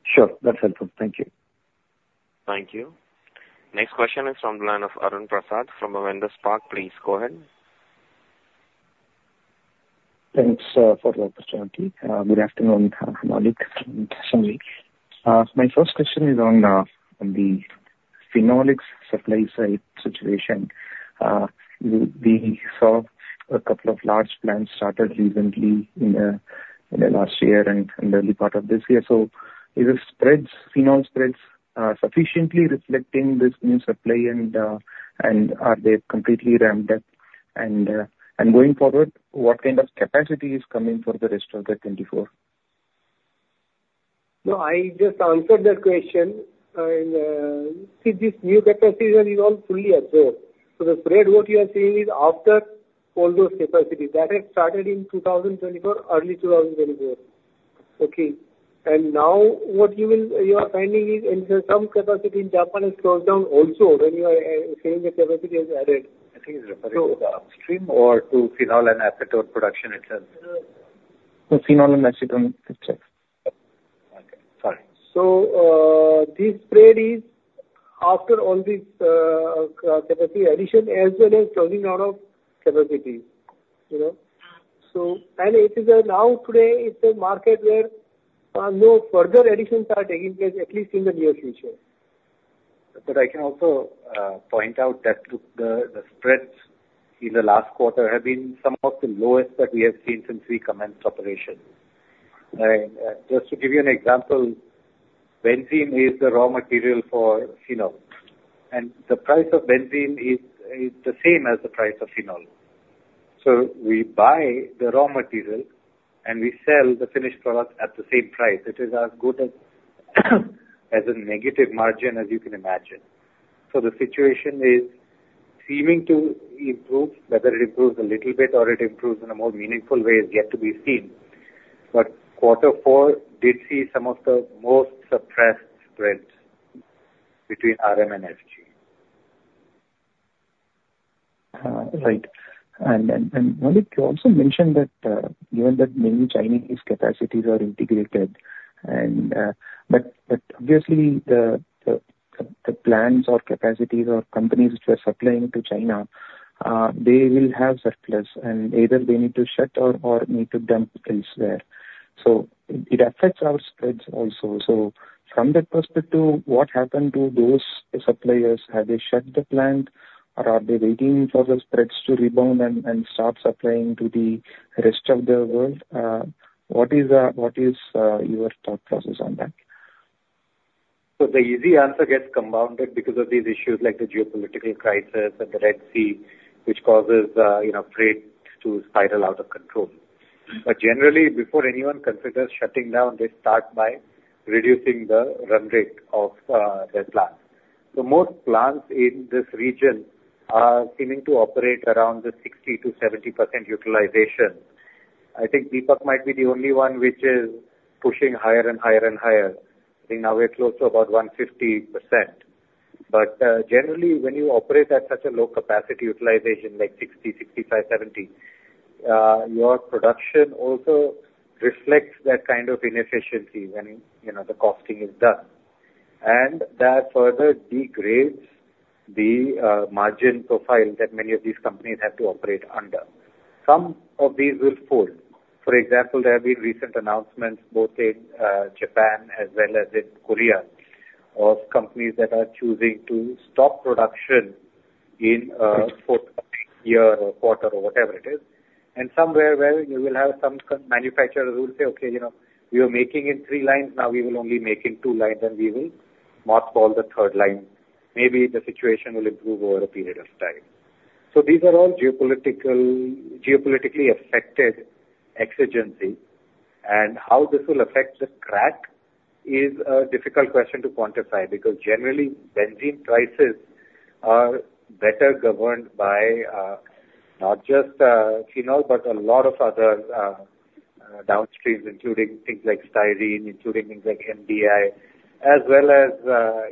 Sure. That's helpful. Thank you. Thank you. Next question is from the line of Arun Prasath from Avendus Spark. Please go ahead. Thanks for the opportunity. Good afternoon, Malik from Assembly. My first question is on the Phenolics supply side situation. We saw a couple of large plants started recently in the last year and early part of this year. So is the spreads, phenol spreads, sufficiently reflecting this new supply? And are they completely ramped up? And going forward, what kind of capacity is coming for the rest of 2024?... No, I just answered that question. And, see, this new capacity is not fully absorbed. So the spread, what you are seeing is after all those capacities that had started in 2024, early 2024. Okay? And now what you will, you are finding is in some capacity in Japan is closed down also, when you are saying the capacity is added. I think he's referring to the upstream or to phenol and acetone production itself. The phenol and acetone itself. Okay, fine. So, this spread is after all these, capacity addition, as well as closing out of capacity, you know? And it is a, now today, it's a market where, no further additions are taking place, at least in the near future. But I can also point out that the spreads in the last quarter have been some of the lowest that we have seen since we commenced operation. Just to give you an example, benzene is the raw material for phenol, and the price of benzene is the same as the price of phenol. So we buy the raw material, and we sell the finished product at the same price. It is as good as a negative margin as you can imagine. So the situation is seeming to improve. Whether it improves a little bit or it improves in a more meaningful way is yet to be seen, but quarter four did see some of the most suppressed spreads between RM and FG. Right. And, Maulik, you also mentioned that, given that many Chinese capacities are integrated and, but obviously, the plans or capacities or companies which are supplying to China, they will have surplus, and either they need to shut down or need to dump elsewhere. So it affects our spreads also. So from that perspective, what happened to those suppliers? Have they shut the plant, or are they waiting for the spreads to rebound and start supplying to the rest of the world? What is your thought process on that? So the easy answer gets compounded because of these issues like the geopolitical crisis and the Red Sea, which causes, you know, freight to spiral out of control. But generally, before anyone considers shutting down, they start by reducing the run rate of their plants. So most plants in this region are seeming to operate around the 60%-70% utilization. I think Deepak might be the only one which is pushing higher and higher and higher. I think now we're close to about 150%. But generally, when you operate at such a low capacity utilization, like 60%, 65%, 70%, your production also reflects that kind of inefficiency when, you know, the costing is done. And that further degrades the margin profile that many of these companies have to operate under. Some of these will fold. For example, there have been recent announcements, both in, Japan as well as in Korea, of companies that are choosing to stop production in, fourth year or quarter or whatever it is. And somewhere where you will have some manufacturers who will say, "Okay, you know, we are making in three lines, now we will only make in two lines, and we will mothball the third line. Maybe the situation will improve over a period of time." So these are all geopolitical, geopolitically affected exigency. And how this will affect the crack is a difficult question to quantify, because generally, benzene prices are better governed by, not just, phenol, but a lot of other, downstreams, including things like styrene, including things like MDI, as well as,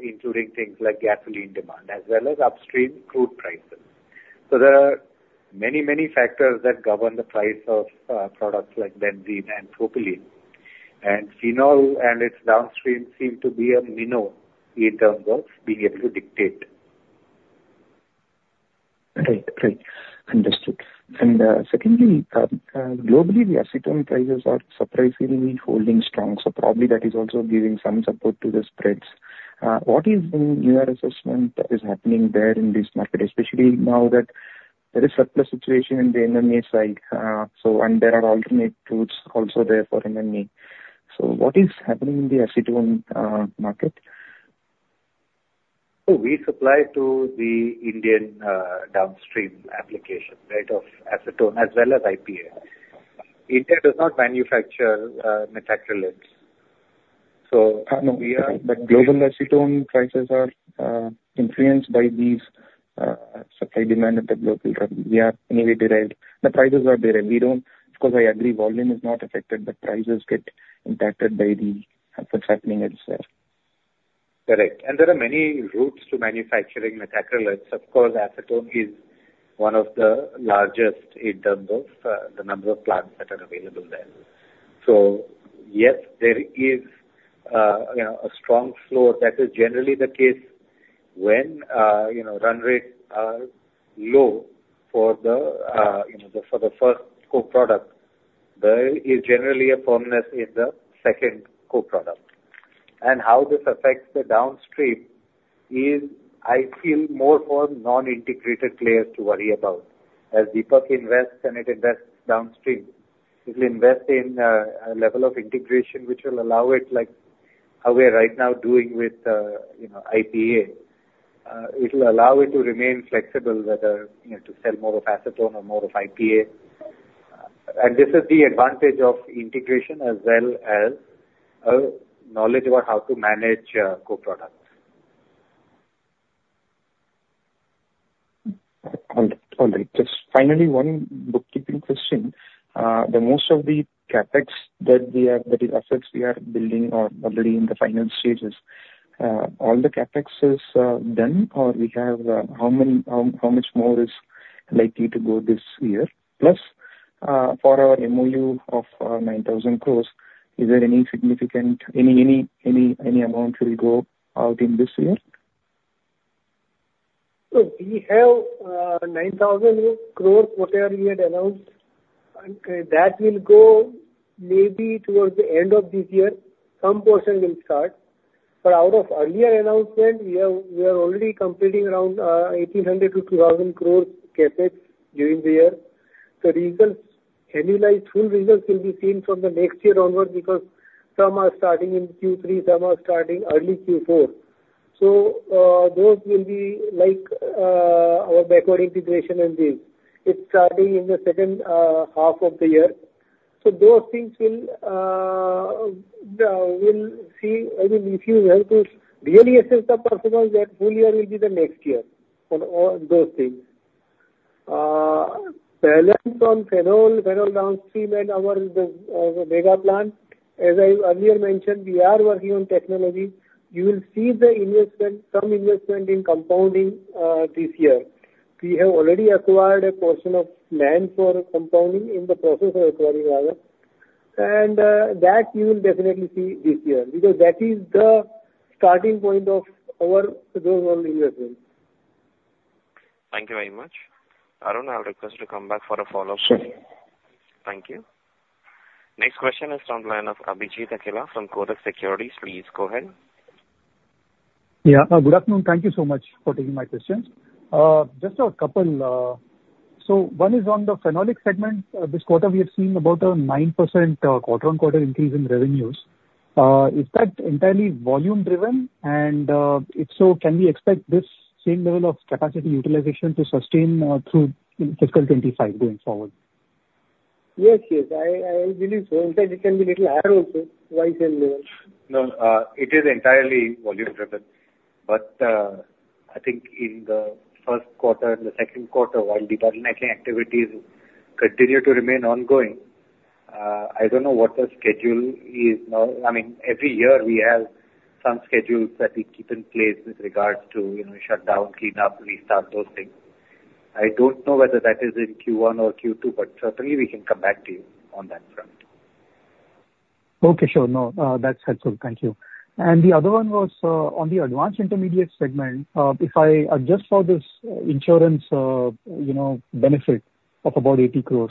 including things like gasoline demand, as well as upstream crude prices. So there are many, many factors that govern the price of products like benzene and propylene. phenol and its downstream seem to be a minnow in terms of being able to dictate. Right. Right. Understood. And, secondly, globally, the acetone prices are surprisingly holding strong, so probably that is also giving some support to the spreads. What is in your assessment is happening there in this market, especially now that there is surplus situation in the MDI side, so, and there are alternate routes also there for MDI. So what is happening in the acetone market? So we supply to the Indian downstream application, right, of acetone as well as IPA. India does not manufacture methacrylates. So- No, we are, but global acetone prices are influenced by these supply and demand at the global level. We are anyway derived. The prices are derived. We don't... Of course, I agree, volume is not affected, but prices get impacted by what's happening itself. Correct. There are many routes to manufacturing methacrylates. Of course, acetone is one of the largest in terms of, the number of plants that are available there. So yes, there is, you know, a strong flow. That is generally the case when, you know, run rates are low for the, you know, for the first co-product, there is generally a firmness in the second co-product. And how this affects the downstream is, I feel, more for non-integrated players to worry about. As Deepak invests and it invests downstream, it will invest in, a level of integration which will allow it, like how we are right now doing with, you know, IPA. It'll allow it to remain flexible, whether, you know, to sell more of acetone or more of IPA.... This is the advantage of integration as well as knowledge about how to manage co-products. All right. All right. Just finally, one bookkeeping question. The most of the CapEx that the assets we are building are already in the final stages. All the CapEx is done, or we have how much more is likely to go this year? Plus, for our MOU of 9,000 crore, is there any significant amount will go out in this year? So we have nine thousand crore whatever we had announced, and that will go maybe towards the end of this year. Some portion will start, but out of earlier announcement, we are already completing around eighteen hundred to two thousand crores CapEx during the year. The results, annualized full results will be seen from the next year onwards, because some are starting in Q3, some are starting early Q4. So, those will be like our backward integration and this. It's starting in the second half of the year. So those things will, we'll see. I mean, if you have to really assess the possible, that full year will be the next year for all those things. From phenol, phenol downstream and our, the mega plant, as I earlier mentioned, we are working on technology. You will see the investment, some investment in compounding, this year. We have already acquired a portion of land for compounding, in the process of acquiring rather. That you will definitely see this year, because that is the starting point of our global investment. Thank you very much. Arun, I will request you to come back for a follow-up. Sure. Thank you. Next question is from the line of Abhijit Akella from Kotak Securities. Please go ahead. Yeah. Good afternoon. Thank you so much for taking my questions. Just a couple... So one is on the Phenolics segment. This quarter we have seen about a 9%, quarter-on-quarter increase in revenues. Is that entirely volume driven? And, if so, can we expect this same level of capacity utilization to sustain, through fiscal 2025 going forward? Yes, yes, I, I believe so. In fact, it can be little higher also, vice versa. No, it is entirely volume driven. But, I think in the first quarter and the second quarter, while departmental activities continue to remain ongoing, I don't know what the schedule is now. I mean, every year we have some schedules that we keep in place with regards to, you know, shut down, clean up, restart, those things. I don't know whether that is in Q1 or Q2, but certainly we can come back to you on that front. Okay, sure. No, that's helpful. Thank you. And the other one was on the Advanced Intermediates segment. If I adjust for this insurance benefit of about 80 crore,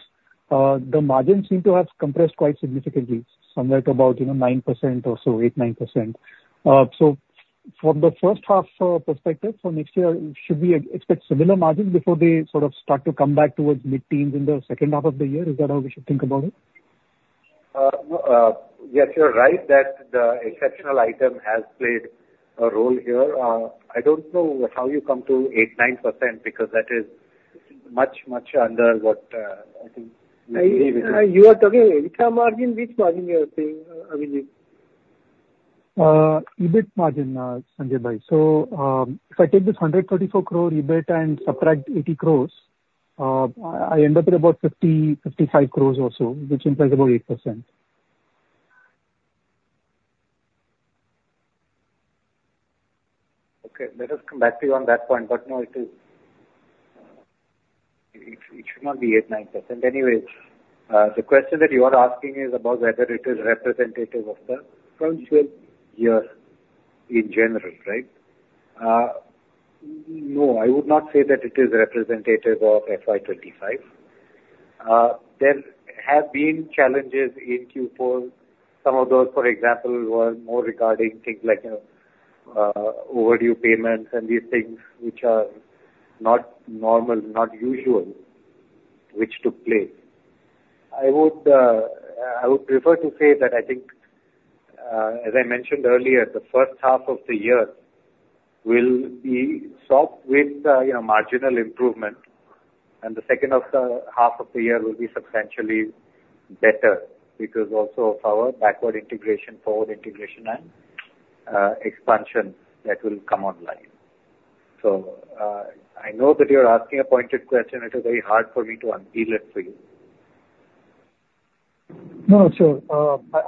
the margins seem to have compressed quite significantly, somewhere to about, you know, 9% or so, 8%-9%. So from the first half perspective, for next year, should we expect similar margins before they sort of start to come back towards mid-teen in the second half of the year? Is that how we should think about it? No, yes, you're right that the exceptional item has played a role here. I don't know how you come to 8%-9%, because that is much, much under what I think we believe it is. You are talking EBITDA margin. Which margin you are saying, Abhijit? EBIT margin, Sanjay bhai. So, if I take this 134 crore EBIT and subtract 80 crore, I end up with about 50 crore-55 crore or so, which implies about 8%. Okay, let us come back to you on that point. But no, it is, it should not be 8%-9%. Anyways, the question that you are asking is about whether it is representative of the financial year in general, right? No, I would not say that it is representative of FY 2025. There have been challenges in Q4. Some of those, for example, were more regarding things like overdue payments and these things, which are not normal, not usual, which took place. I would prefer to say that I think, as I mentioned earlier, the first half of the year will be solved with, you know, marginal improvement, and the second of the half of the year will be substantially better, because also of our backward integration, forward integration, and expansion that will come online. I know that you're asking a pointed question, it is very hard for me to unpeel it for you. No, sure.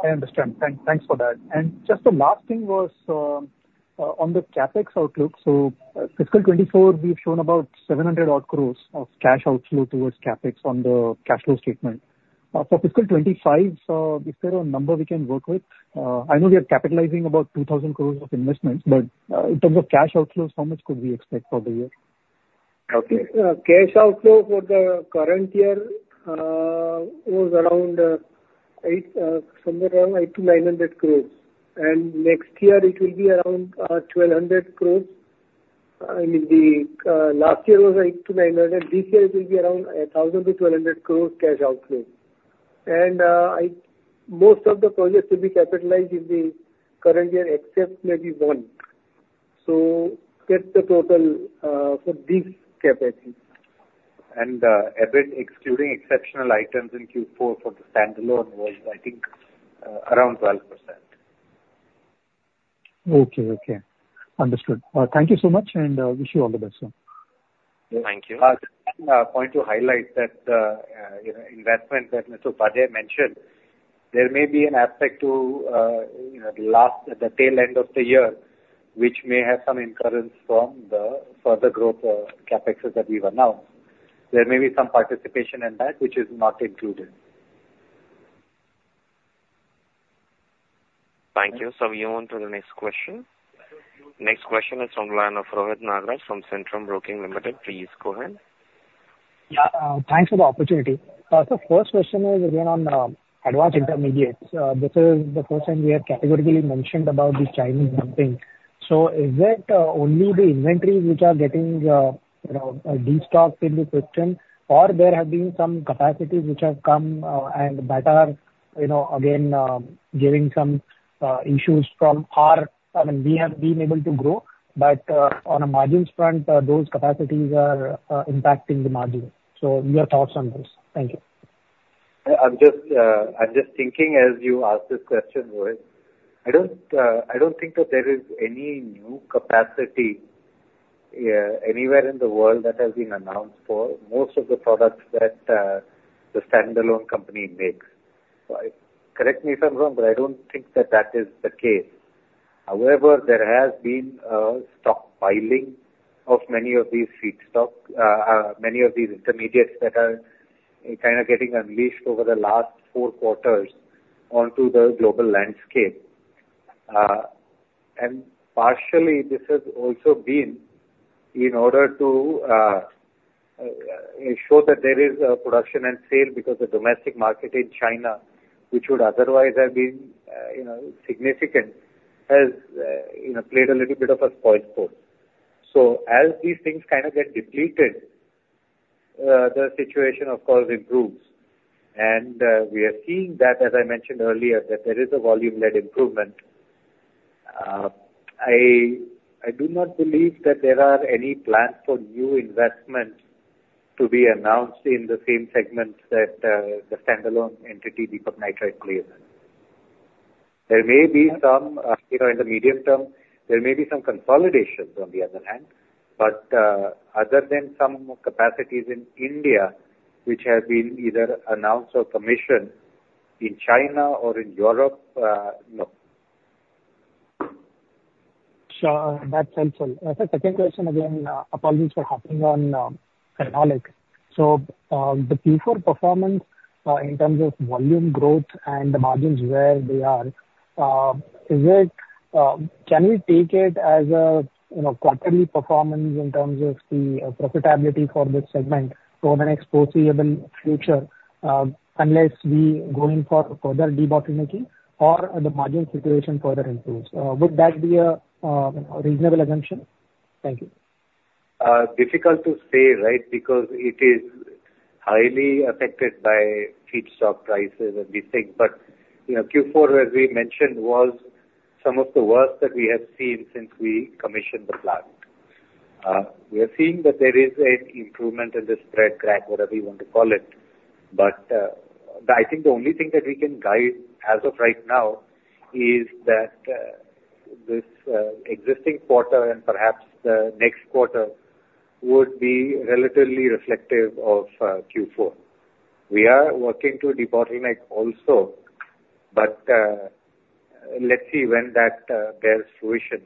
I understand. Thanks, thanks for that. And just the last thing was on the CapEx outlook. So, fiscal 2024, we've shown about 700 odd crores of cash outflow towards CapEx on the cash flow statement. For fiscal 2025, so is there a number we can work with? I know we are capitalizing about 2,000 crores of investments, but in terms of cash outflows, how much could we expect for the year? Okay. Cash outflow for the current year was around, somewhere around 800 crore-900 crore. Next year it will be around 1,200 crores. I mean, the last year was 800 crore-900 crores, this year it will be around 1,000 crore-1,200 crore cash outflow. Most of the projects will be capitalized in the current year, except maybe one.... So get the total, for this capacity. EBIT excluding exceptional items in Q4 for the standalone was, I think, around 12%. Okay. Okay, understood. Thank you so much, and wish you all the best, sir. Thank you. Just one point to highlight that, you know, investment that Mr. Upadhyay mentioned, there may be an aspect to, you know, the last, at the tail end of the year, which may have some incurrence from the further growth, CapEx that we've announced. There may be some participation in that which is not included. Thank you. We move on to the next question. Next question is from the line of Rohit Nagraj from Centrum Broking. Please go ahead. Yeah, thanks for the opportunity. So first question is again on advanced intermediates. This is the first time we have categorically mentioned about the Chinese dumping. So is it only the inventories which are getting you know destocked in the system, or there have been some capacities which have come and that are you know again giving some issues from our... I mean, we have been able to grow, but on a margins front those capacities are impacting the margin. So your thoughts on this? Thank you. I'm just, I'm just thinking as you ask this question, Rohit. I don't, I don't think that there is any new capacity anywhere in the world that has been announced for most of the products that, the standalone company makes. Correct me if I'm wrong, but I don't think that that is the case. However, there has been a stockpiling of many of these feedstock, many of these intermediates that are kind of getting unleashed over the last four quarters onto the global landscape. And partially, this has also been in order to, show that there is a production and sale, because the domestic market in China, which would otherwise have been, you know, significant, has, you know, played a little bit of a spoil sport. So as these things kind of get depleted, the situation of course improves. We are seeing that, as I mentioned earlier, that there is a volume-led improvement. I do not believe that there are any plans for new investment to be announced in the same segments that the standalone entity Deepak Nitrite plays in. There may be some, you know, in the medium term, there may be some consolidation on the other hand, but other than some capacities in India, which have been either announced or commissioned, in China or in Europe, no. Sure. That's helpful. Sir, second question again, apologies for hopping on, Phenolic. So, the Q4 performance, in terms of volume growth and the margins where they are, is it, can we take it as a, you know, quarterly performance in terms of the profitability for this segment for the next foreseeable future, unless we going for further debottlenecking or the margin situation further improves? Would that be a, reasonable assumption? Thank you. Difficult to say, right? Because it is highly affected by feedstock prices and these things. But, you know, Q4, as we mentioned, was some of the worst that we have seen since we commissioned the plant. We are seeing that there is an improvement in the spread, crack, whatever you want to call it. But, I think the only thing that we can guide as of right now is that, this existing quarter and perhaps the next quarter, would be relatively reflective of Q4. We are working to debottleneck also, but, let's see when that bears fruition.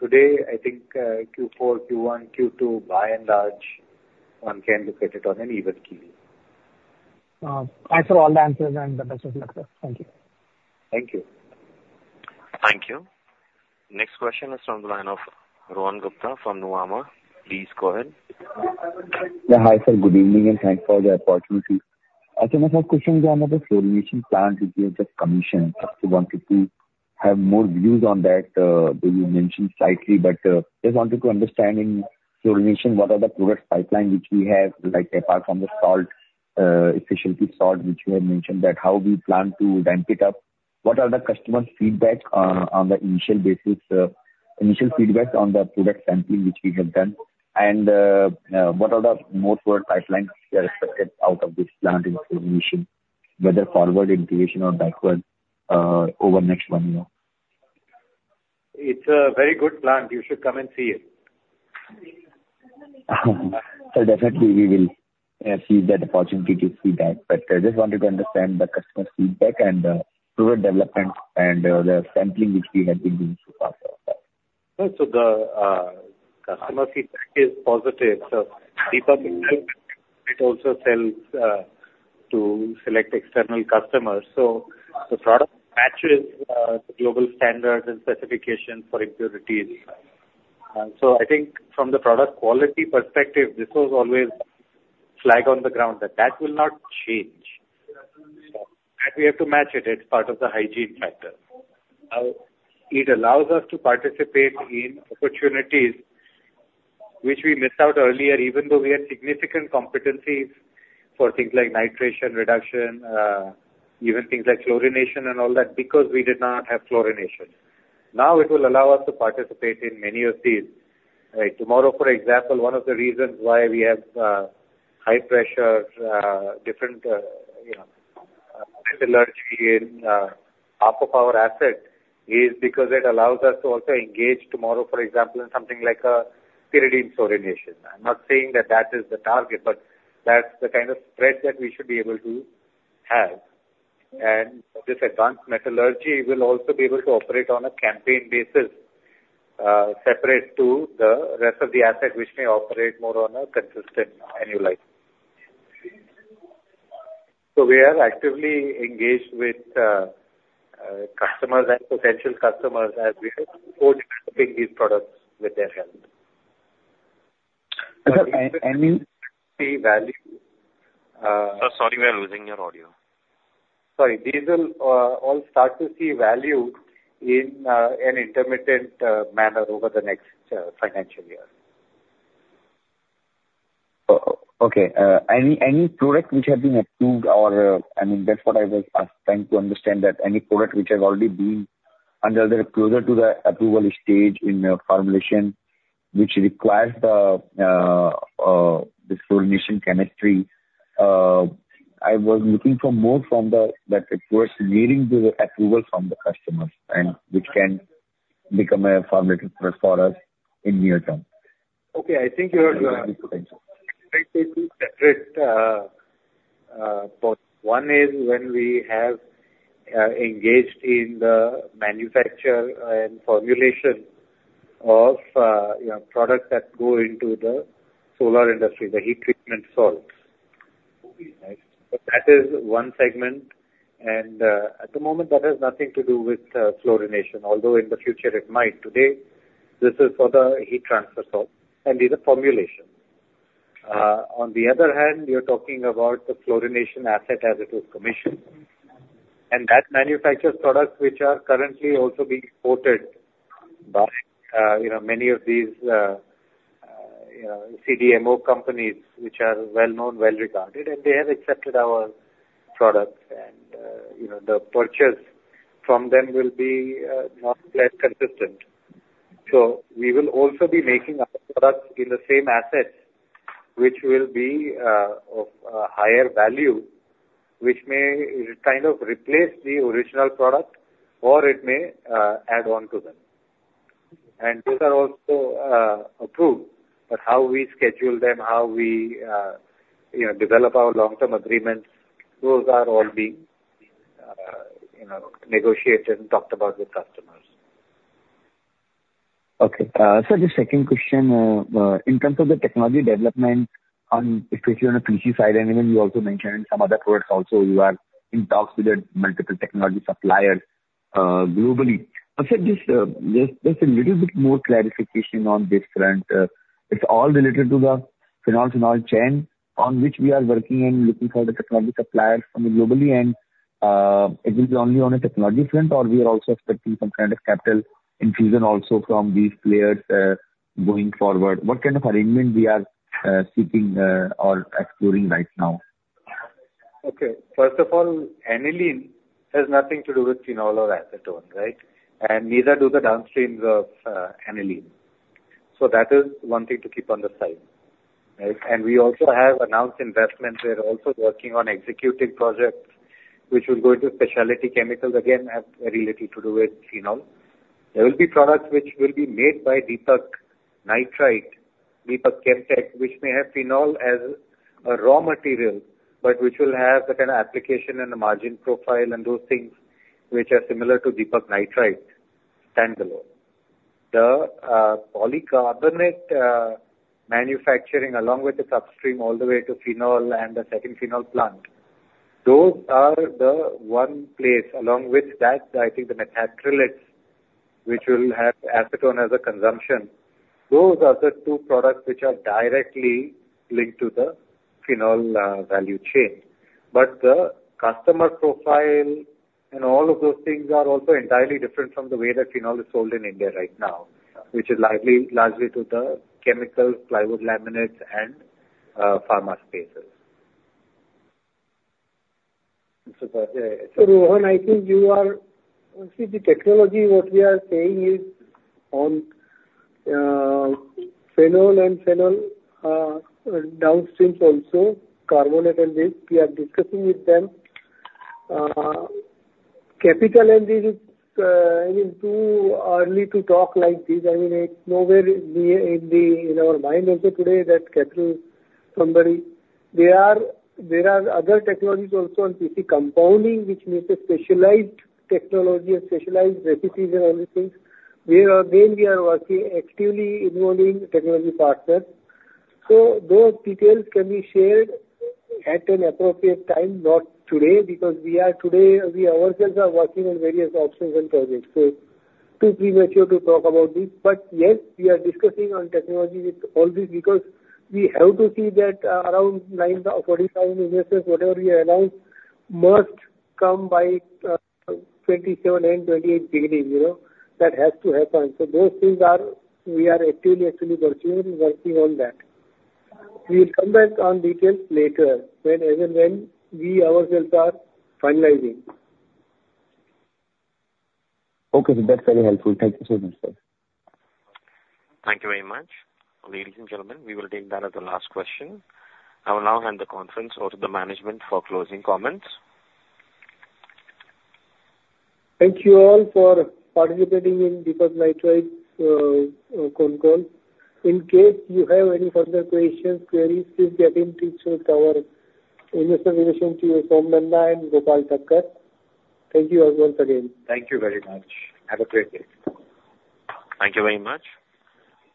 Today, I think, Q4, Q1, Q2, by and large, one can look at it on an even keel. Thanks for all the answers and the best of luck, sir. Thank you. Thank you. Thank you. Next question is from the line of Rohan Gupta from Nuvama Institutional Equities. Please go ahead. Yeah. Hi, sir, good evening, and thanks for the opportunity. So my first question is on the fluorination plant which we have just commissioned. Just wanted to have more views on that. You mentioned slightly, but just wanted to understand in fluorination, what are the product pipeline which we have, like apart from the salt, heat transfer salt, which you have mentioned, that how we plan to ramp it up? What are the customers' feedback on the initial basis, initial feedback on the product sampling which we have done? And what are the most core pipelines which are expected out of this plant in fluorination, whether forward integration or backward, over next one year? It's a very good plant. You should come and see it. So definitely we will seize that opportunity to see that. But I just wanted to understand the customers' feedback and product development and the sampling which we have been doing so far for that. The customer feedback is positive. Deepak Nitrite also sells to select external customers. The product matches the global standards and specifications for impurities. I think from the product quality perspective, this was always flag on the ground, that that will not change. We have to match it, it's part of the hygiene factor. It allows us to participate in opportunities which we missed out earlier, even though we had significant competencies for things like nitration reduction, even things like chlorination and all that, because we did not have chlorination. Now, it will allow us to participate in many of these, right? Tomorrow, for example, one of the reasons why we have high pressure, different, you know, metallurgy in half of our asset, is because it allows us to also engage tomorrow, for example, in something like a pyridine chlorination. I'm not saying that that is the target, but that's the kind of spread that we should be able to have. And this advanced metallurgy will also be able to operate on a campaign basis, separate to the rest of the asset, which may operate more on a consistent annual life. So we are actively engaged with customers and potential customers as we go these products with their help. And any value Sir, sorry, we are losing your audio. Sorry. These will all start to see value in an intermittent manner over the next financial year. Okay. Any product which has been approved or, I mean, that's what I was asking, trying to understand, that any product which has already been under the closer to the approval stage in the formulation, which requires this fluorination chemistry. I was looking for more from that approach leading to the approval from the customers and which can become a formula for us in near term. Okay, I think you heard you're inaudible. But one is when we have engaged in the manufacture and formulation of, you know, products that go into the solar industry, the heat transfer salts. Okay, nice. But that is one segment, and, at the moment, that has nothing to do with, fluorination, although in the future it might. Today, this is for the heat transfer salt and is a formulation. On the other hand, you're talking about the fluorination asset as it was commissioned, and that manufactures products which are currently also being quoted by, you know, many of these, you know, CDMO companies, which are well-known, well-regarded, and they have accepted our products. And, you know, the purchase from them will be, more or less consistent. So we will also be making other products in the same assets, which will be, of a higher value, which may kind of replace the original product, or it may, add on to them. And those are also, approved. But how we schedule them, how we, you know, develop our long-term agreements, those are all being, you know, negotiated and talked about with customers. Okay. So the second question, in terms of the technology development on, especially on the PC side, and even you also mentioned some other products also, you are in talks with the multiple technology suppliers, globally. I said, just a little bit more clarification on this front. It's all related to the phenol chain, on which we are working and looking for the technology suppliers from globally, and it will be only on a technology front or we are also expecting some kind of capital infusion also from these players, going forward? What kind of arrangement we are seeking, or exploring right now? Okay. First of all, aniline has nothing to do with phenol or acetone, right? And neither do the downstreams of aniline. So that is one thing to keep on the side, right? And we also have announced investments. We are also working on executing projects which will go into specialty chemicals, again, have very little to do with phenol. There will be products which will be made by Deepak Nitrite, Deepak Chem Tech, which may have phenol as a raw material, but which will have the kind of application and the margin profile and those things which are similar to Deepak Nitrite standalone. The polycarbonate manufacturing, along with the upstream all the way to phenol and the second phenol plant, those are the one place along with that, I think the methacrylates, which will have acetone as a consumption. Those are the two products which are directly linked to the phenol value chain. But the customer profile and all of those things are also entirely different from the way that phenol is sold in India right now, which is likely largely to the chemicals, plywood, laminates, and pharma spaces. So Rohan, I think you are. See, the technology, what we are saying is on phenol and phenol downstreams also, carbonate and this, we are discussing with them. Capital and this is, I mean, too early to talk like this. I mean, it's nowhere near in our mind also today, that capital from very. There are other technologies also on PC compounding, which needs a specialized technology and specialized recipes and all these things. Then we are working actively involving technology partners. So those details can be shared at an appropriate time, not today, because we are today, we ourselves are working on various options and projects. So too premature to talk about this, but yes, we are discussing on technology with all these, because we have to see that, around 9,000 crore investment, whatever we announce, must come by 2027 and 2028, you know. That has to happen. So those things are, we are actively, actually pursuing and working on that. We'll come back on details later when, even when we ourselves are finalizing. Okay, sir. That's very helpful. Thank you so much, sir. Thank you very much. Ladies and gentlemen, we will take that as the last question. I will now hand the conference over to the management for closing comments. Thank you all for participating in Deepak Nitrite conf call. In case you have any further questions, queries, please get in touch with our investor relations team, Somsekhar Nanda and Gopal Thakkar. Thank you all once again. Thank you very much. Have a great day. Thank you very much.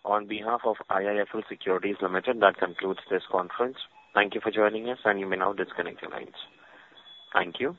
On behalf of IIFL Securities Limited, that concludes this conference. Thank you for joining us, and you may now disconnect your lines. Thank you.